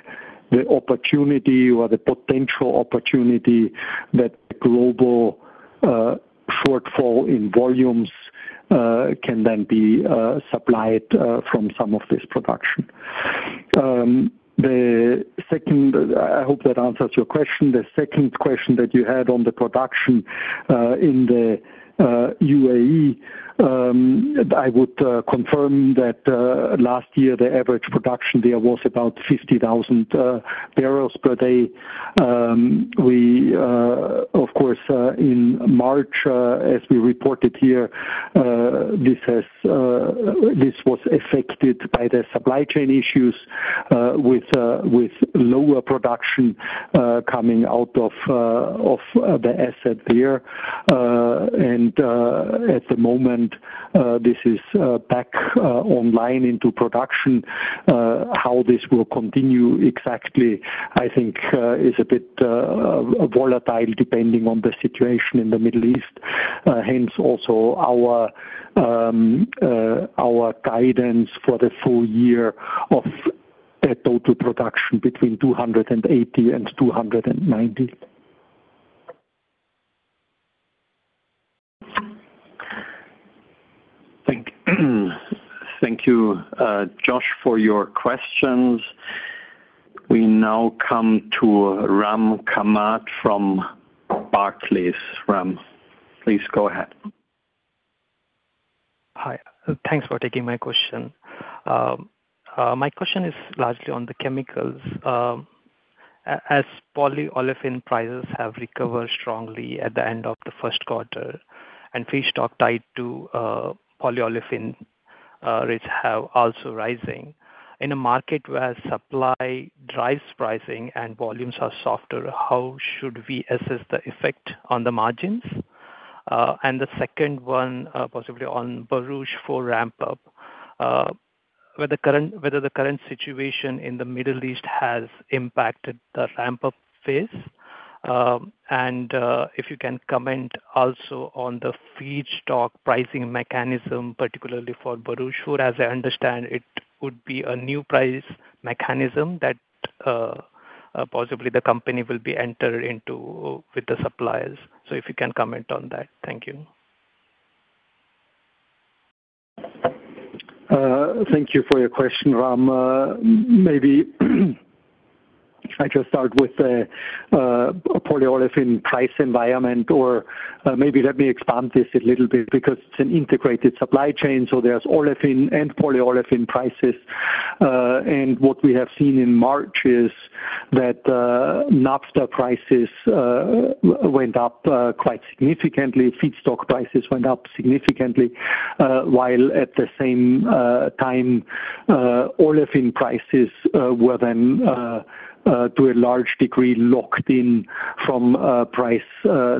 opportunity or the potential opportunity that global shortfall in volumes can then be supplied from some of this production. I hope that answers your question. The second question that you had on the production in the UAE, I would confirm that last year the average production there was about 50,000 bpd. We, of course, in March, as we reported here, this was affected by the supply chain issues with lower production coming out of the asset there. At the moment, this is back online into production. How this will continue exactly, I think, is a bit volatile depending on the situation in the Middle East. Hence also our guidance for the full year. The total production between 280 and 290. Thank you, Josh, for your questions. We now come to Ram Kamath from Barclays. Ram, please go ahead. Hi. Thanks for taking my question. My question is largely on the chemicals. As polyolefin prices have recovered strongly at the end of the first quarter, and feedstock tied to polyolefin rates have also rising. In a market where supply drives pricing and volumes are softer, how should we assess the effect on the margins? The second one, possibly on Borouge 4 ramp up, whether the current situation in the Middle East has impacted the ramp-up phase. If you can comment also on the feedstock pricing mechanism, particularly for Borouge. Sure, as I understand, it would be a new price mechanism that possibly the company will be entered into with the suppliers. If you can comment on that. Thank you. Thank you for your question, Ram. Maybe I just start with the polyolefin price environment, or maybe let me expand this a little bit because it's an integrated supply chain, so there's olefin and polyolefin prices. What we have seen in March is that Naphtha prices went up quite significantly. Feedstock prices went up significantly, while at the same time, olefin prices were then to a large degree, locked in from price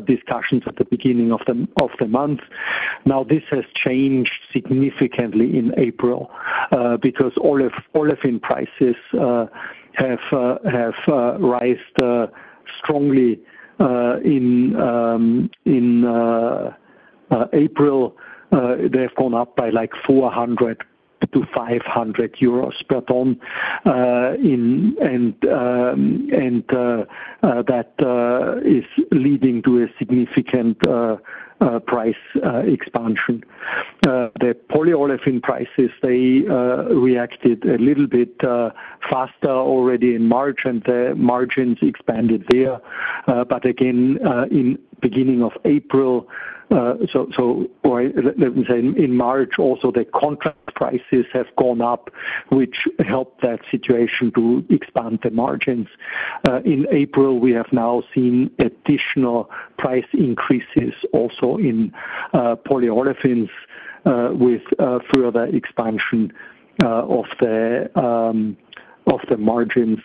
discussions at the beginning of the month. This has changed significantly in April because olefin prices have rised strongly in in April. They have gone up by, like, 400-500 euros per ton. That is leading to a significant price expansion. The polyolefin prices, they reacted a little bit faster already in March, and the margins expanded there. But again, in beginning of April, in March also, the contract prices have gone up, which helped that situation to expand the margins. In April, we have now seen additional price increases also in polyolefins, with further expansion of the margins.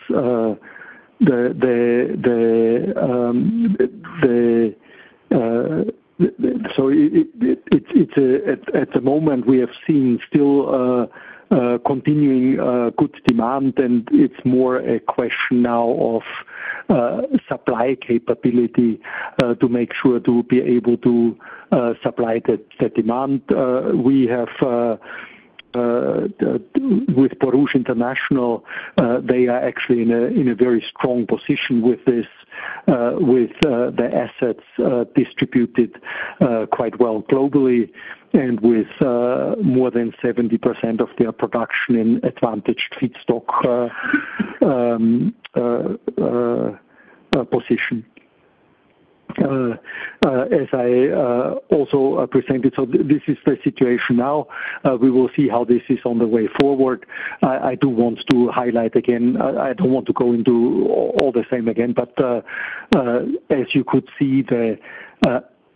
At the moment, we have seen still continuing good demand, and it is more a question now of supply capability, to make sure to be able to supply the demand. We have with Borouge International, they are actually in a very strong position with this, with the assets distributed quite well globally and with more than 70% of their production in advantaged feedstock position. As I also presented, so this is the situation now. We will see how this is on the way forward. I do want to highlight again, I don't want to go into all the same again, but as you could see,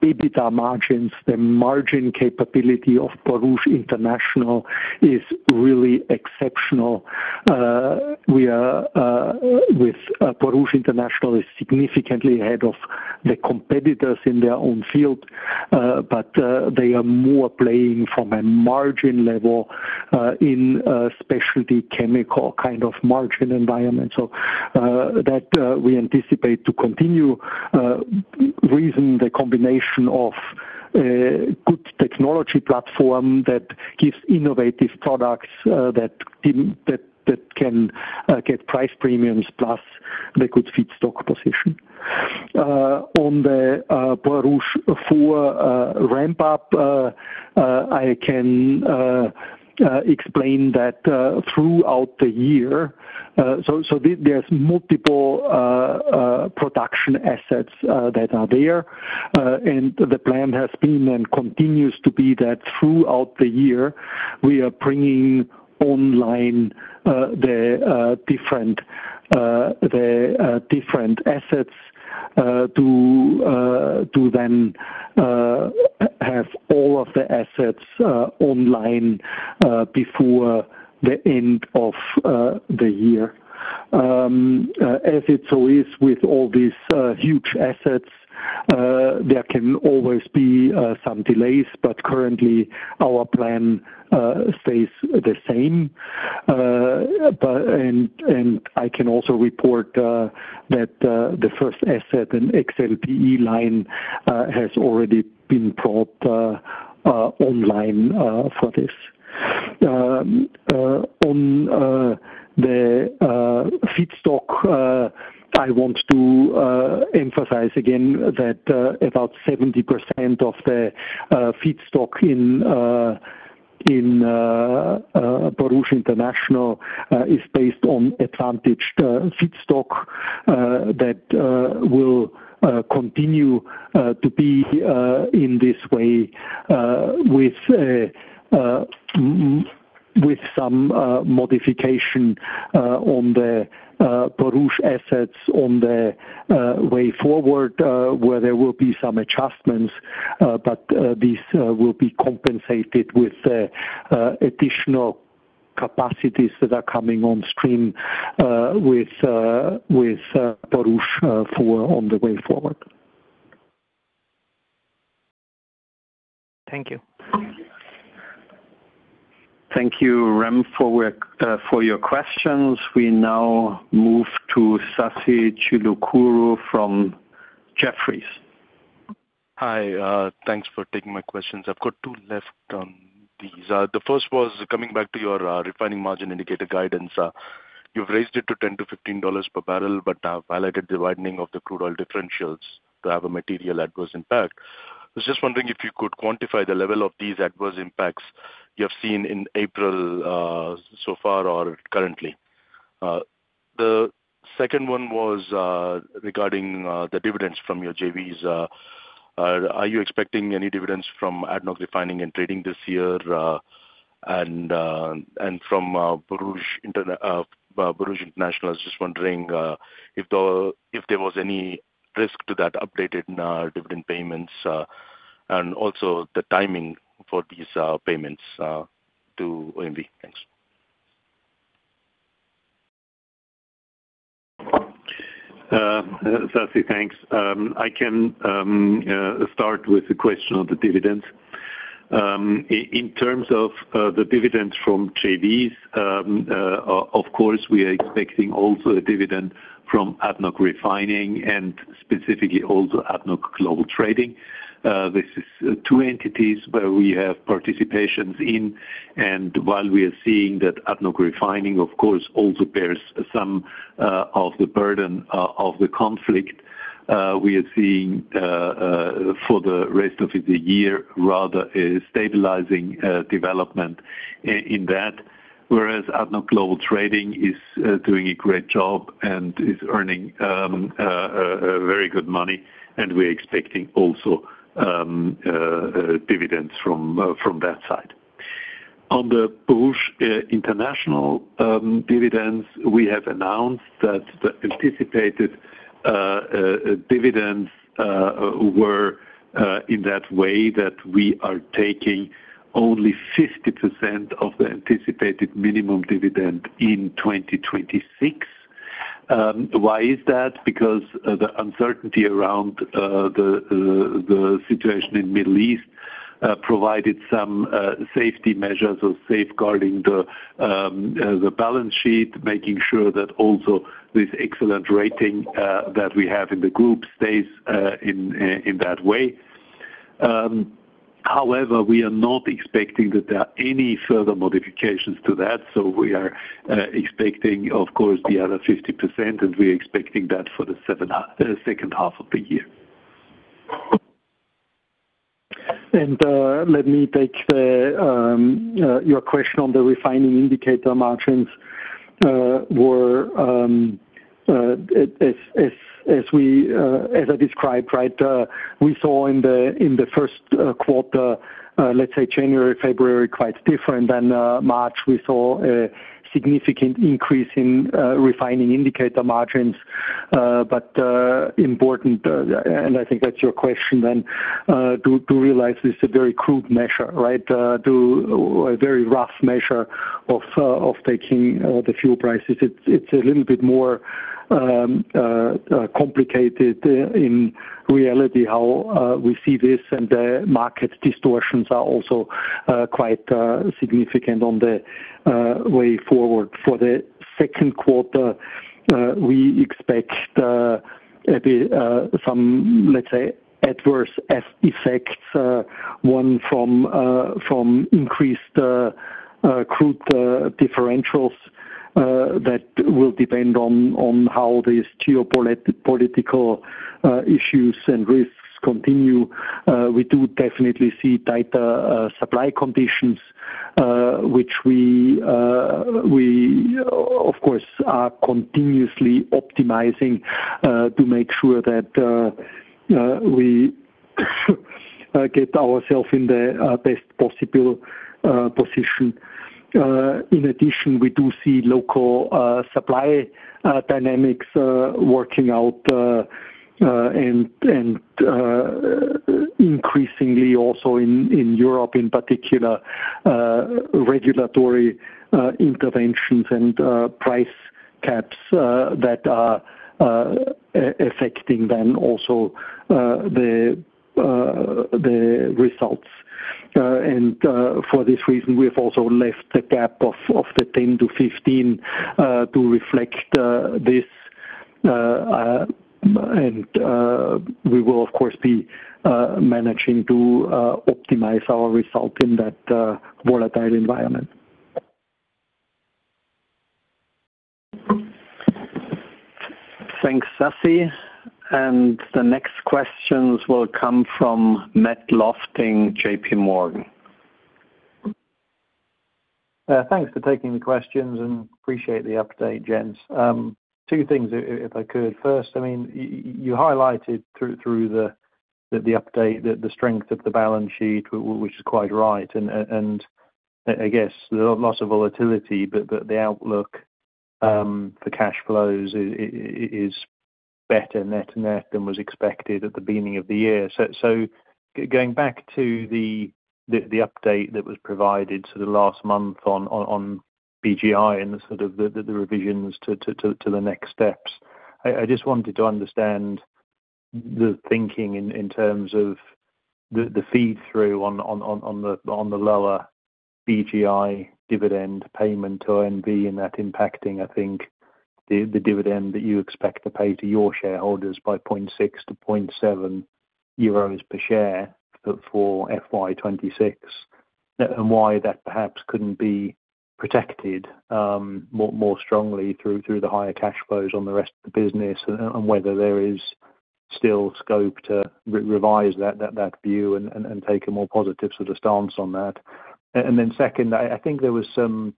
the EBITDA margins, the margin capability of Borouge International is really exceptional. We are with Borouge International is significantly ahead of the competitors in their own field, but they are more playing from a margin level in a specialty chemical kind of margin environment. That we anticipate to continue, reason the combination of a good technology platform that gives innovative products that can get price premiums plus the good feedstock position. On the Borouge 4 ramp up, I can explain that throughout the year. There's multiple production assets that are there. The plan has been and continues to be that throughout the year, we are bringing online the different assets to then have all of the assets online before the end of the year. As it so is with all these huge assets, there can always be some delays, but currently, our plan stays the same. I can also report that the first asset, an XLPE line, has already been brought online for this. On the feedstock, I want to emphasize again that about 70% of the feedstock in Borouge International is based on advantaged feedstock that will continue to be in this way with some modification on the Borouge assets on the way forward, where there will be some adjustments, but these will be compensated with additional capacities that are coming on stream with Borouge 4 on the way forward. Thank you. Thank you, Ram, for your questions. We now move to Sasikanth Chilukuru from Jefferies. Hi, thanks for taking my questions. I've got 2 left on these. The first was coming back to your refining margin indicator guidance. You've raised it to $10-$15 per barrel, but now highlighted the widening of the crude oil differentials to have a material adverse impact. I was just wondering if you could quantify the level of these adverse impacts you have seen in April so far or currently. The second one was regarding the dividends from your JVs. Are you expecting any dividends from ADNOC Refining and Trading this year? And from Borouge International, I was just wondering if there was any risk to that updated dividend payments and also the timing for these payments to OMV. Thanks. Sasi, thanks. I can start with the question of the dividend. In terms of the dividends from JVs, of course, we are expecting also a dividend from ADNOC Refining and specifically also ADNOC Global Trading. This is two entities where we have participations in, and while we are seeing that ADNOC Refining, of course, also bears some of the burden of the conflict, we are seeing for the rest of the year rather a stabilizing development in that, whereas ADNOC Global Trading is doing a great job and is earning very good money, and we're expecting also dividends from from that side. On the Borouge International dividends, we have announced that the anticipated dividends were in that way that we are taking only 50% of the anticipated minimum dividend in 2026. Why is that? Because the uncertainty around the situation in Middle East provided some safety measures of safeguarding the balance sheet, making sure that also this excellent rating that we have in the group stays in that way. However, we are not expecting that there are any further modifications to that, so we are expecting, of course, the other 50%, and we're expecting that for the second half of the year. Let me take your question on the refining indicator margins. As we, as I described, we saw in the first quarter, let's say January, February, quite different than March. We saw a significant increase in refining indicator margins, but important, and I think that's your question then, to realize this is a very crude measure, right? To a very rough measure of taking the fuel prices. It's a little bit more complicated in reality how we see this and the market distortions are also quite significant on the way forward. For the second quarter, we expect some, let's say, adverse effects, one from increased crude differentials, that will depend on how these geopolitical issues and risks continue. We do definitely see tighter supply conditions, which we of course are continuously optimizing to make sure that we get ourself in the best possible position. In addition, we do see local supply dynamics working out and increasingly also in Europe in particular, regulatory interventions and price caps that are affecting then also the results. For this reason, we have also left a gap of the 10-15 to reflect this. We will of course be managing to optimize our result in that volatile environment. Thanks, Sassi. The next questions will come from Matt Lofting, JPMorgan. Thanks for taking the questions, and appreciate the update, gents. Two things if I could. First, I mean, you highlighted through the update, the strength of the balance sheet, which is quite right. I guess there are lots of volatility, but the outlook, the cash flows is better net-net than was expected at the beginning of the year. Going back to the update that was provided sort of last month on BGI and the revisions to the next steps, I just wanted to understand the thinking in terms of the feed-through on the lower BGI dividend payment to OMV and that impacting, I think, the dividend that you expect to pay to your shareholders by 0.6-0.7 euros per share for FY 2026. Why that perhaps couldn't be protected more strongly through the higher cash flows on the rest of the business, and whether there is still scope to re-revise that view and take a more positive stance on that. Second, I think there was some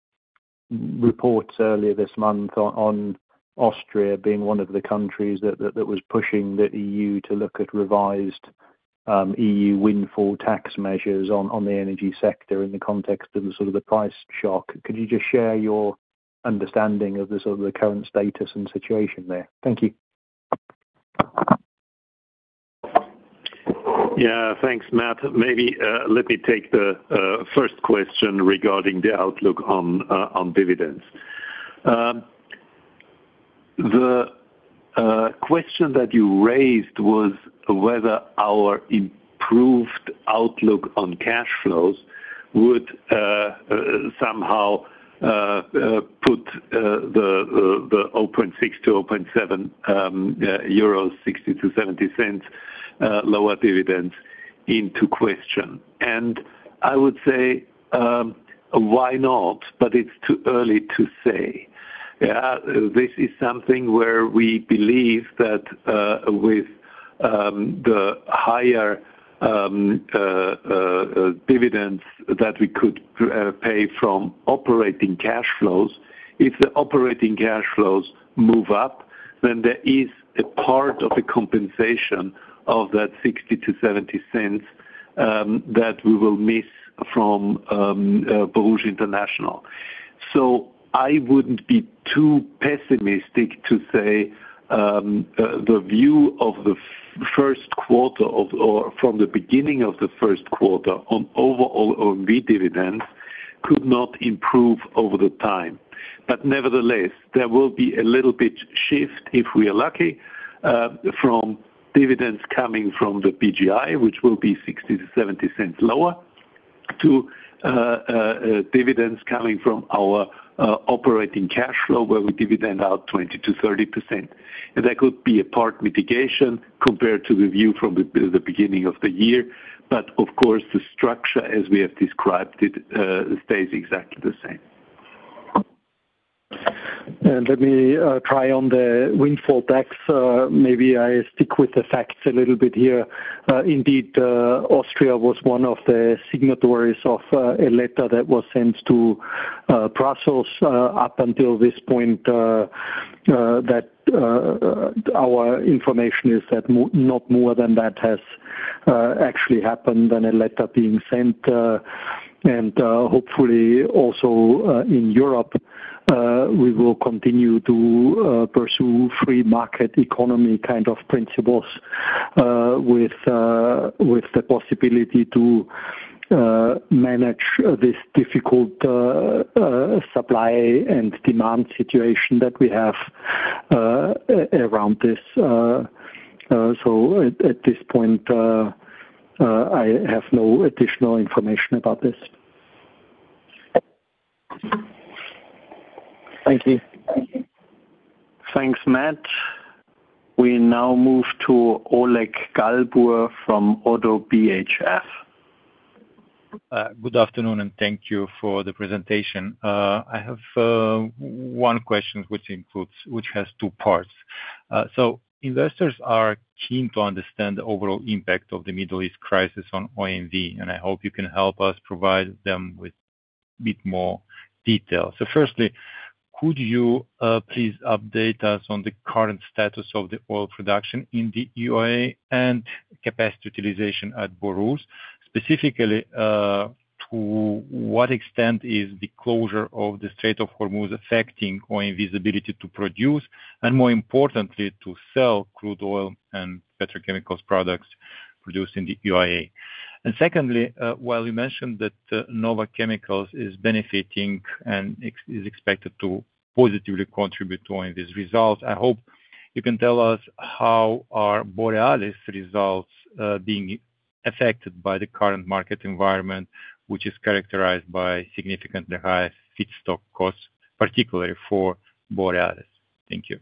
reports earlier this month on Austria being one of the countries that was pushing the EU to look at revised EU windfall tax measures on the energy sector in the context of the sort of the price shock. Could you just share your understanding of the sort of the current status and situation there? Thank you. Yeah. Thanks, Matt. Maybe, let me take the first question regarding the outlook on dividends. The question that you raised was whether our improved outlook on cash flows would somehow put the open six to open seven, yeah, 0.60-0.70, lower dividends into question. I would say, why not? It's too early to say. Yeah. This is something where we believe that with the higher dividends that we could pay from operating cash flows, if the operating cash flows move up, then there is a part of a compensation of that 0.60-0.70 that we will miss from Borouge International. I wouldn't be too pessimistic to say, the view of the first quarter on overall OMV dividends could not improve over the time. Nevertheless, there will be a little bit shift, if we are lucky, from dividends coming from the BGI, which will be 0.60-0.70 lower, to dividends coming from our operating cash flow, where we dividend out 20%-30%. That could be a part mitigation compared to the view from the beginning of the year. Of course, the structure as we have described it, stays exactly the same. Let me try on the windfall tax. Maybe I stick with the facts a little bit here. Indeed, Austria was one of the signatories of a letter that was sent to Brussels, up until this point, that our information is that not more than that has actually happened than a letter being sent. Hopefully also, in Europe, we will continue to pursue free market economy kind of principles, with the possibility to manage this difficult supply and demand situation that we have around this. At this point, I have no additional information about this. Thank you. Thanks, Matt. We now move to Oleg Galbur from Oddo BHF. Good afternoon, and thank you for the presentation. I have one question which has two parts. Investors are keen to understand the overall impact of the Middle East crisis on OMV, and I hope you can help us provide them with bit more detail. Firstly, could you please update us on the current status of the oil production in the UAE and capacity utilization at Borouge? Specifically, to what extent is the closure of the Strait of Hormuz affecting OMV's ability to produce, and more importantly, to sell crude oil and petrochemicals products produced in the UAE? Secondly, while you mentioned that, NOVA Chemicals is benefiting and is expected to positively contribute to OMV's results, I hope you can tell us how are Borealis results, being affected by the current market environment, which is characterized by significantly high feedstock costs, particularly for Borealis. Thank you.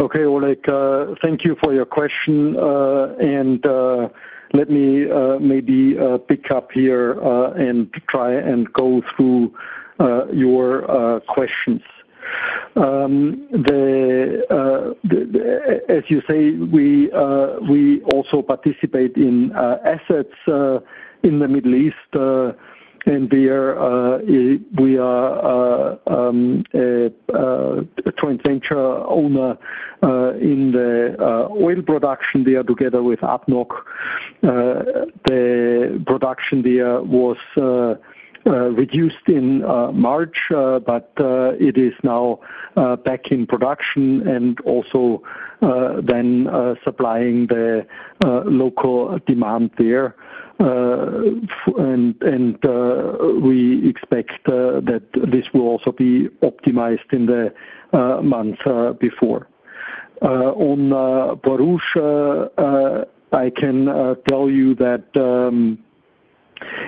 Okay, Oleg, thank you for your question. Let me maybe pick up here and try and go through your questions. As you say, we also participate in assets in the Middle East, and we are a joint venture owner in the oil production there together with ADNOC. The production there was reduced in March, it is now back in production and also then supplying the local demand there. We expect that this will also be optimized in the months before. On Borouge, I can tell you that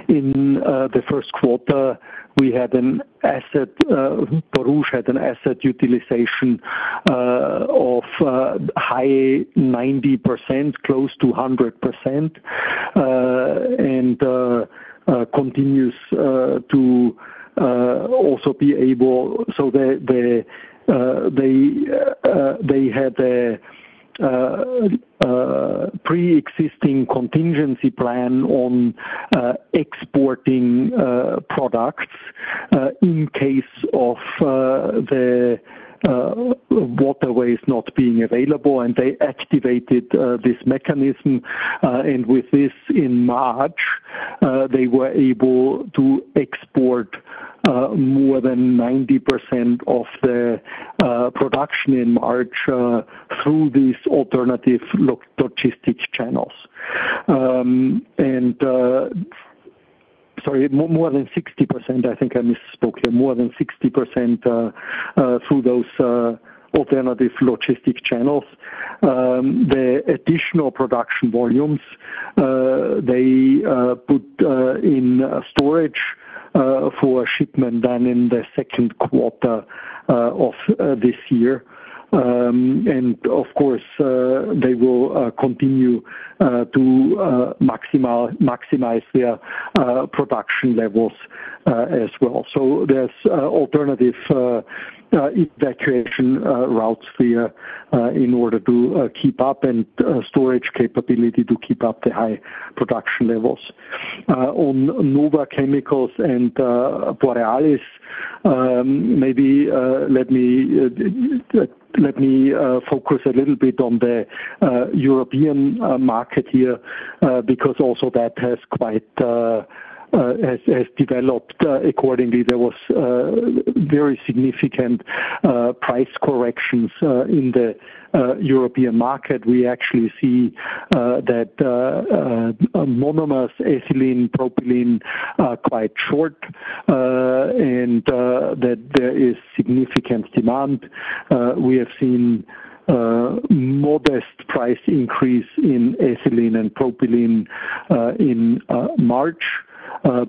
in the first quarter, we had an asset... Borouge had an asset utilization of high 90%, close to 100%. They had a preexisting contingency plan on exporting products in case of the waterways not being available, and they activated this mechanism, and with this in March, they were able to export more than 90% of the production in March through these alternative logistics channels. Sorry, more than 60%. I think I misspoke here. More than 60% through those alternative logistics channels. The additional production volumes they put in storage for shipment done in the 2nd quarter of this year. Of course, they will continue to maximize their production levels as well. There's alternative evacuation routes there in order to keep up and storage capability to keep up the high production levels. On NOVA Chemicals and Borealis, maybe let me focus a little bit on the European market here because also that has quite developed accordingly. There was very significant price corrections in the European market. We actually see that monomers, ethylene, propylene are quite short and that there is significant demand. We have seen modest price increase in ethylene and propylene in March, a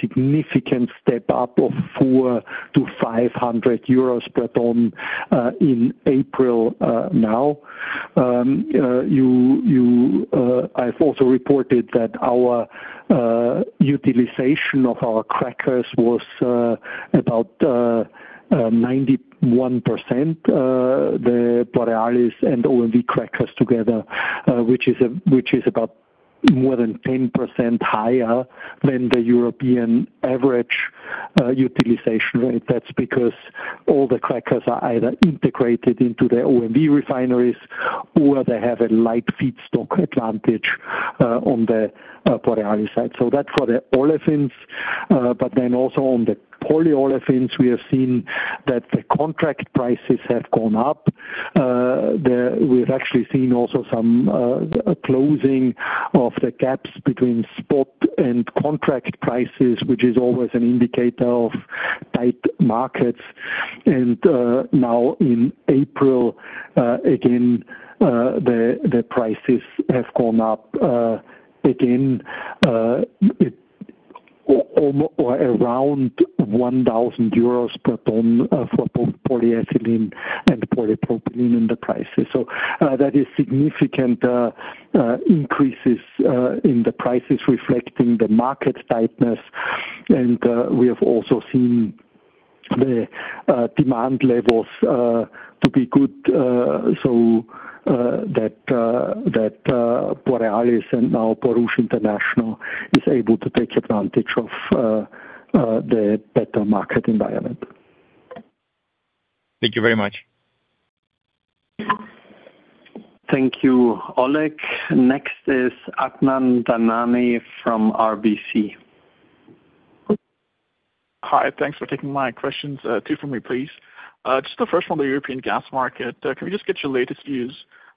significant step up of 400-500 euros per ton in April now. I've also reported that our utilization of our crackers was about 91%, the Borealis and OMV crackers together, which is about more than 10% higher than the European average utilization rate. That's because all the crackers are either integrated into the OMV refineries or they have a light feedstock advantage on the Borealis side. That's for the olefins. Also on the polyolefins, we have seen that the contract prices have gone up. We've actually seen also some closing of the gaps between spot and contract prices, which is always an indicator of tight markets. Now in April, again, the prices have gone up again, around 1,000 euros per ton for both polyethylene and polypropylene in the prices. That is significant increases in the prices reflecting the market tightness. We have also seen the demand levels to be good, so that Borealis and now Borouge International is able to take advantage of the better market environment. Thank you very much. Thank you, Oleg. Next is Adnan Dhanani from RBC. Hi. Thanks for taking my questions. 2 for me, please. Just the first one on the European gas market. Can we just get your latest views.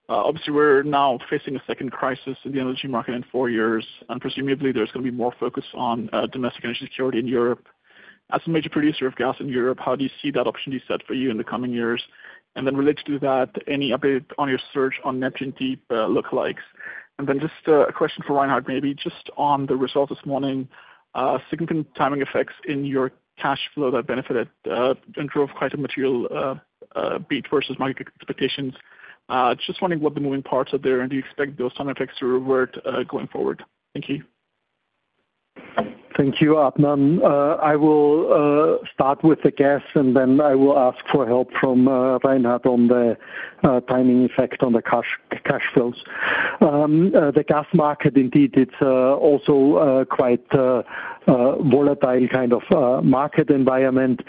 Obviously we're now facing a 2nd crisis in the energy market in 4 years, and presumably there's going to be more focus on domestic energy security in Europe. As a major producer of gas in Europe, how do you see that opportunity set for you in the coming years? Related to that, any update on your search on Neptun Deep lookalikes. Just a question for Reinhard, maybe just on the results this morning. Significant timing effects in your cash flow that benefited and drove quite a material beat versus market expectations. Just wondering what the moving parts are there, do you expect those timing effects to revert going forward? Thank you. Thank you, Adnan. I will start with the gas, and then I will ask for help from Reinhard on the timing effect on the cash flows. The gas market, indeed, it is also quite a volatile kind of market environment.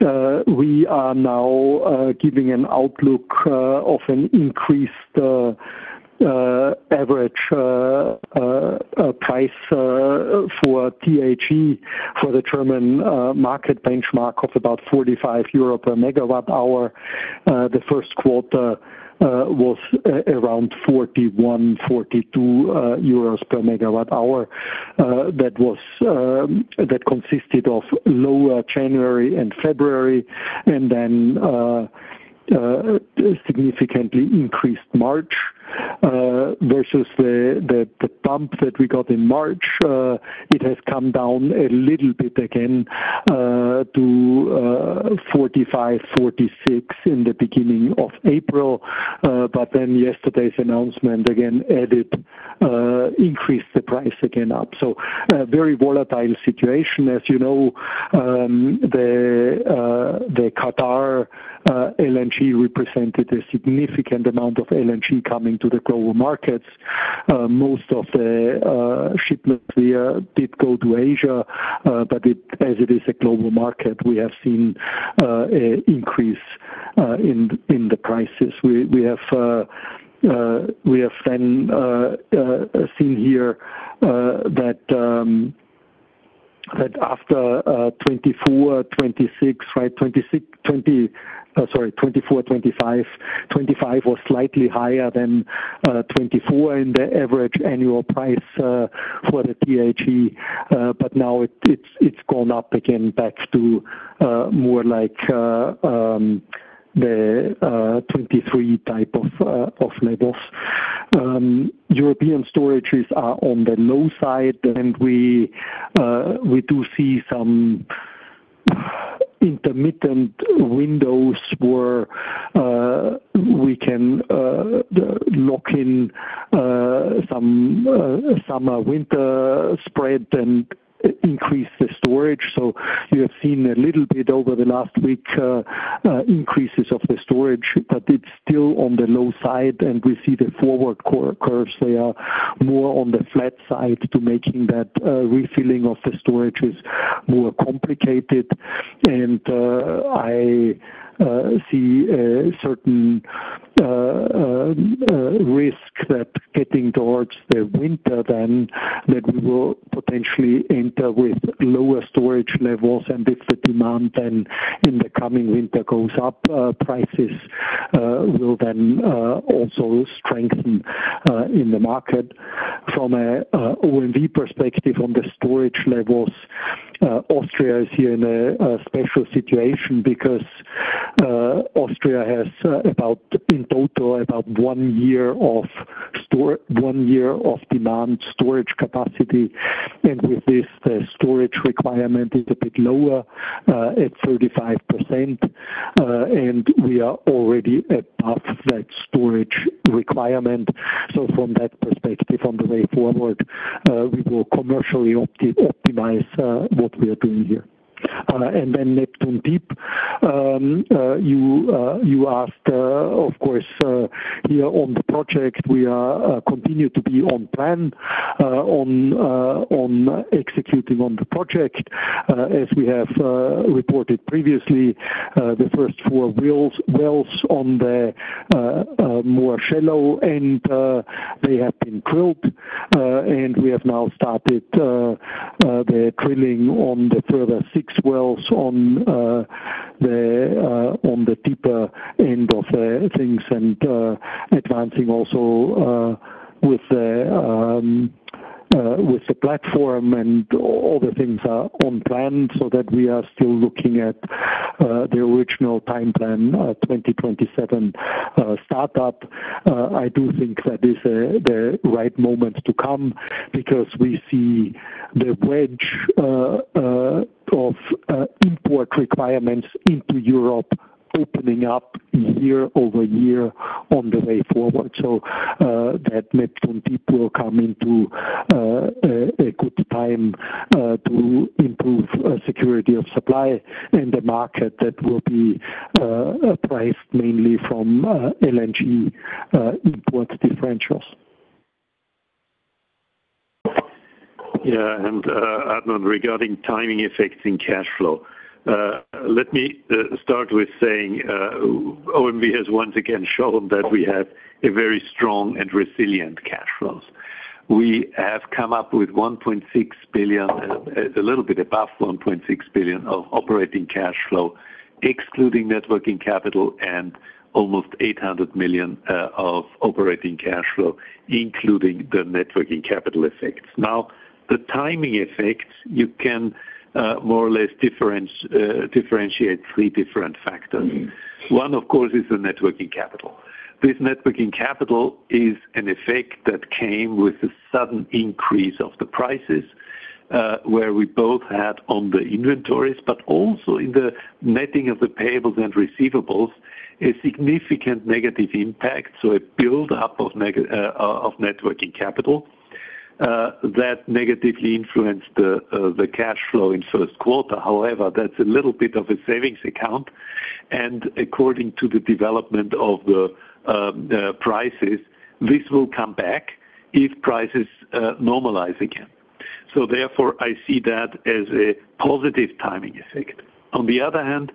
We are now giving an outlook of an increased average price for THE for the German market benchmark of about 45 euro per MWh. The first quarter was around 41-42 euros per MWh. That was that consisted of lower January and February and then significantly increased March versus the bump that we got in March. It has come down a little bit again to 45-46 in the beginning of April. Yesterday's announcement again added, increased the price again up. A very volatile situation. As you know, the Qatar LNG represented a significant amount of LNG coming to the global markets. Most of the shipment via did go to Asia, as it is a global market, we have seen a increase in the prices. We have then seen here that after 24, 26, right, 26. 24, 25. 25 was slightly higher than 24 in the average annual price for the THE. Now it's gone up again back to more like the 23 type of levels. European storages are on the low side, and we do see some intermittent windows where we can lock in some winter spread and increase the storage. We have seen a little bit over the last week increases of the storage, but it's still on the low side, and we see the forward curves, they are more on the flat side to making that refilling of the storages more complicated. I see a certain risk that getting towards the winter then, that we will potentially enter with lower storage levels. If the demand then in the coming winter goes up, prices will then also strengthen in the market. From a OMV perspective on the storage levels, Austria is here in a special situation because Austria has about in total, about 1 year of demand storage capacity. With this, the storage requirement is a bit lower, at 35%, and we are already above that storage requirement. From that perspective, on the way forward, we will commercially optimize what we are doing here. Neptun Deep, you asked, of course, here on the project, we are continue to be on plan on executing on the project. As we have reported previously, the first 4 wells on the more shallow end, they have been drilled. We have now started the drilling on the further six wells on the deeper end of things and advancing also with the platform and all the things are on plan so that we are still looking at the original time plan, 2027 startup. I do think that is the right moment to come because we see the wedge of import requirements into Europe opening up year over year on the way forward. That Neptun Deep will come into a good time to improve security of supply in the market that will be priced mainly from LNG import differentials. Adnan Dhanani, regarding timing effects in cash flow, let me start with saying OMV has once again shown that we have a very strong and resilient cash flows. We have come up with 1.6 billion, a little bit above 1.6 billion of operating cash flow, excluding networking capital and almost 800 million of operating cash flow, including the networking capital effects. Now the timing effects, you can more or less differentiate three different factors. One, of course, is the networking capital. This networking capital is an effect that came with the sudden increase of the prices, where we both had on the inventories, but also in the netting of the payables and receivables, a significant negative impact. A build up of networking capital that negatively influenced the cash flow in first quarter. That's a little bit of a savings account, and according to the development of the prices, this will come back if prices normalize again. Therefore, I see that as a positive timing effect. On the other hand,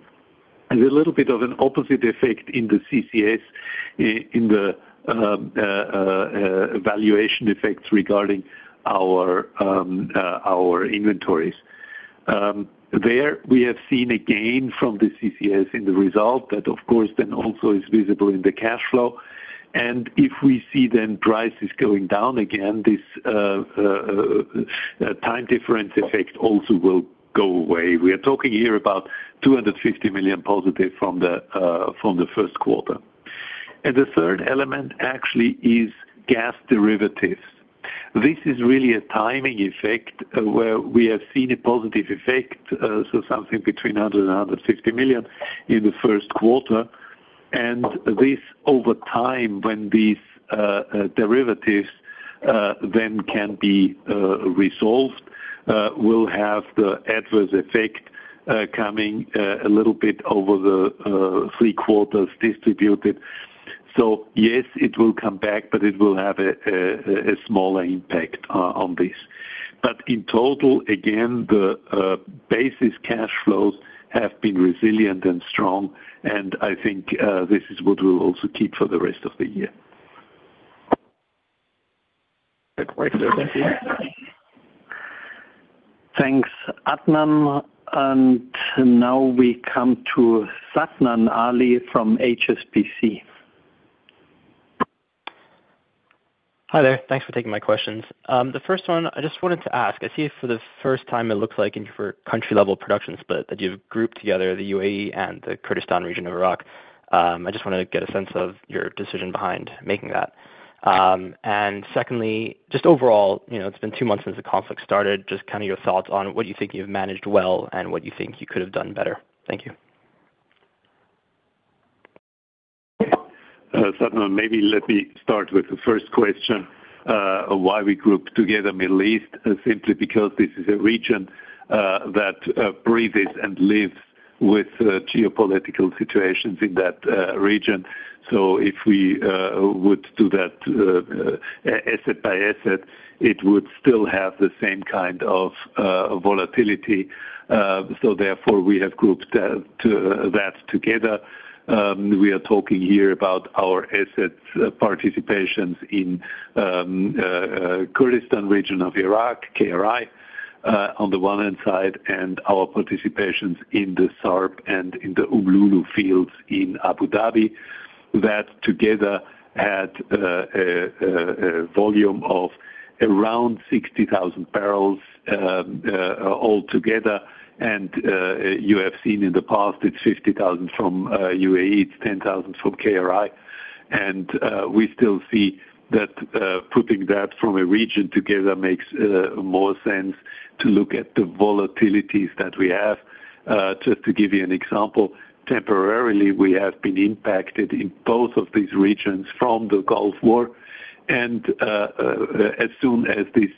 there's a little bit of an opposite effect in the CCS, in the valuation effects regarding our inventories. There we have seen a gain from the CCS in the result that of course, then also is visible in the cash flow. If we see then prices going down again, this time difference effect also will go away. We are talking here about 250 million positive from the first quarter. The third element actually is gas derivatives. This is really a timing effect where we have seen a positive effect, so something between 100 million-150 million in the first quarter. This over time, when these derivatives then can be resolved, will have the adverse effect coming a little bit over the 3 quarters distributed. Yes, it will come back, but it will have a smaller impact on this. In total, again, the basis cash flows have been resilient and strong, and I think this is what we'll also keep for the rest of the year. Great. Thank you. Thanks, Adnan. Now we come to Sadnam Ali from HSBC. Hi there. Thanks for taking my questions. The first one I just wanted to ask, I see for the first time it looks like in for country-level productions, but that you've grouped together the UAE and the Kurdistan region of Iraq. I just want to get a sense of your decision behind making that. Secondly, just overall, you know, it's been 2 months since the conflict started. Just kind of your thoughts on what you think you've managed well and what you think you could have done better. Thank you. Sadnan, maybe let me start with the first question, why we grouped together Middle East, simply because this is a region that breathes and lives with geopolitical situations in that region. If we would do that asset by asset, it would still have the same kind of volatility. Therefore, we have grouped that together. We are talking here about our asset participations in Kurdistan region of Iraq, KRI, on the one hand side, and our participations in the SARB and in the Umm Lulu fields in Abu Dhabi that together had a volume of around 60,000 bbl all together. You have seen in the past it's 50,000 from UAE, it's 10,000 from KRI. We still see that putting that from a region together makes more sense to look at the volatilities that we have. Just to give you an example, temporarily, we have been impacted in both of these regions from the Gulf War. As soon as these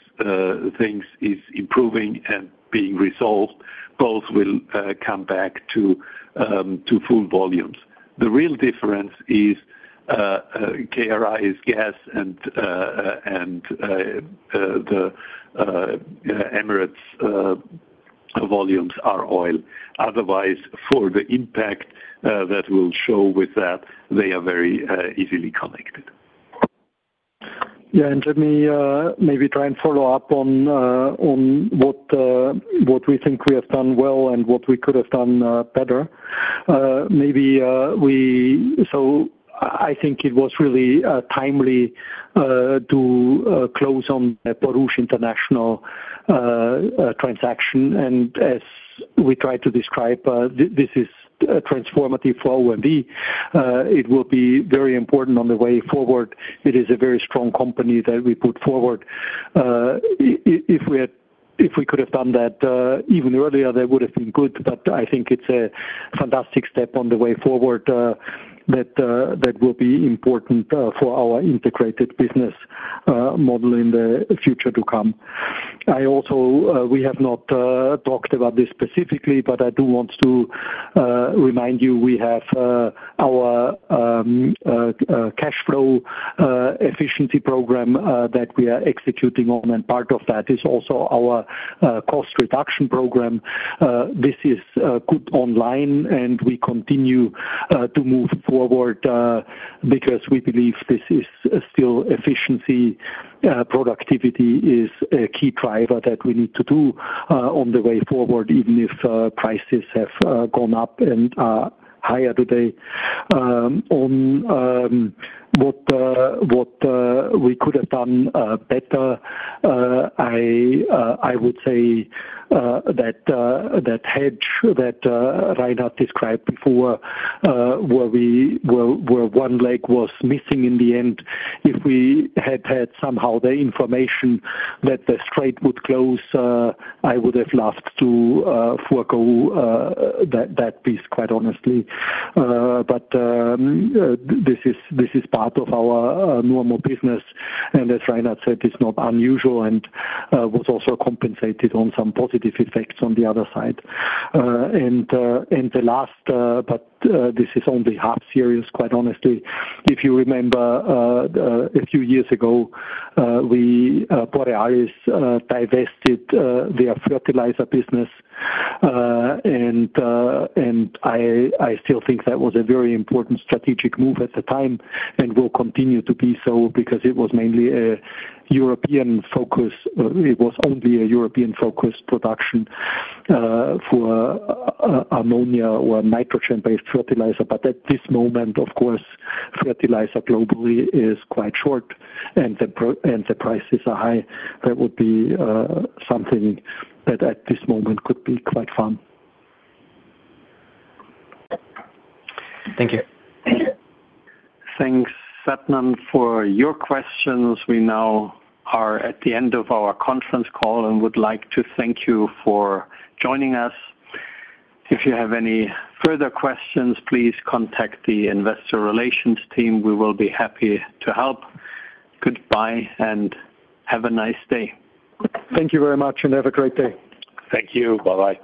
things is improving and being resolved, both will come back to full volumes. The real difference is KRI is gas and and the Emirates volumes are oil. Otherwise, for the impact that will show with that, they are very easily connected. Yeah. Let me maybe try and follow up on on what what we think we have done well and what we could have done better. Maybe I think it was really timely to close on Borouge International transaction. As we try to describe, this is transformative for OMV. It will be very important on the way forward. It is a very strong company that we put forward. If we could have done that even earlier, that would have been good, but I think it's a fantastic step on the way forward that will be important for our integrated business model in the future to come. I also, we have not talked about this specifically, but I do want to remind you, we have our cash flow efficiency program that we are executing on, and part of that is also our cost reduction program. This is good online, and we continue to move forward because we believe this is still efficiency. Productivity is a key driver that we need to do on the way forward, even if prices have gone up and are higher today. On what we could have done better, I would say that that hedge that Reinhard described before, where one leg was missing in the end, if we had had somehow the information that the strait would close, I would have loved to forego that piece, quite honestly. This is part of our normal business, and as Reinhard said, it's not unusual and was also compensated on some positive effects on the other side. The last, but this is only half serious, quite honestly. If you remember, a few years ago, we Borealis divested their fertilizer business. I still think that was a very important strategic move at the time and will continue to be so because it was mainly a European focus. It was only a European-focused production for ammonia or nitrogen-based fertilizer. At this moment, of course, fertilizer globally is quite short, and the prices are high. That would be something that at this moment could be quite fun. Thank you. Thank you. Thanks, Adnan, for your questions. We now are at the end of our conference call and would like to thank you for joining us. If you have any further questions, please contact the investor relations team. We will be happy to help. Goodbye, and have a nice day. Thank you very much, and have a great day. Thank you. Bye-bye.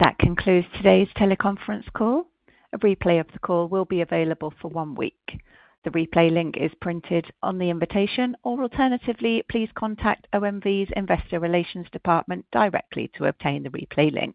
That concludes today's teleconference call. A replay of the call will be available for one week. The replay link is printed on the invitation, or alternatively, please contact OMV's Investor Relations Department directly to obtain the replay link.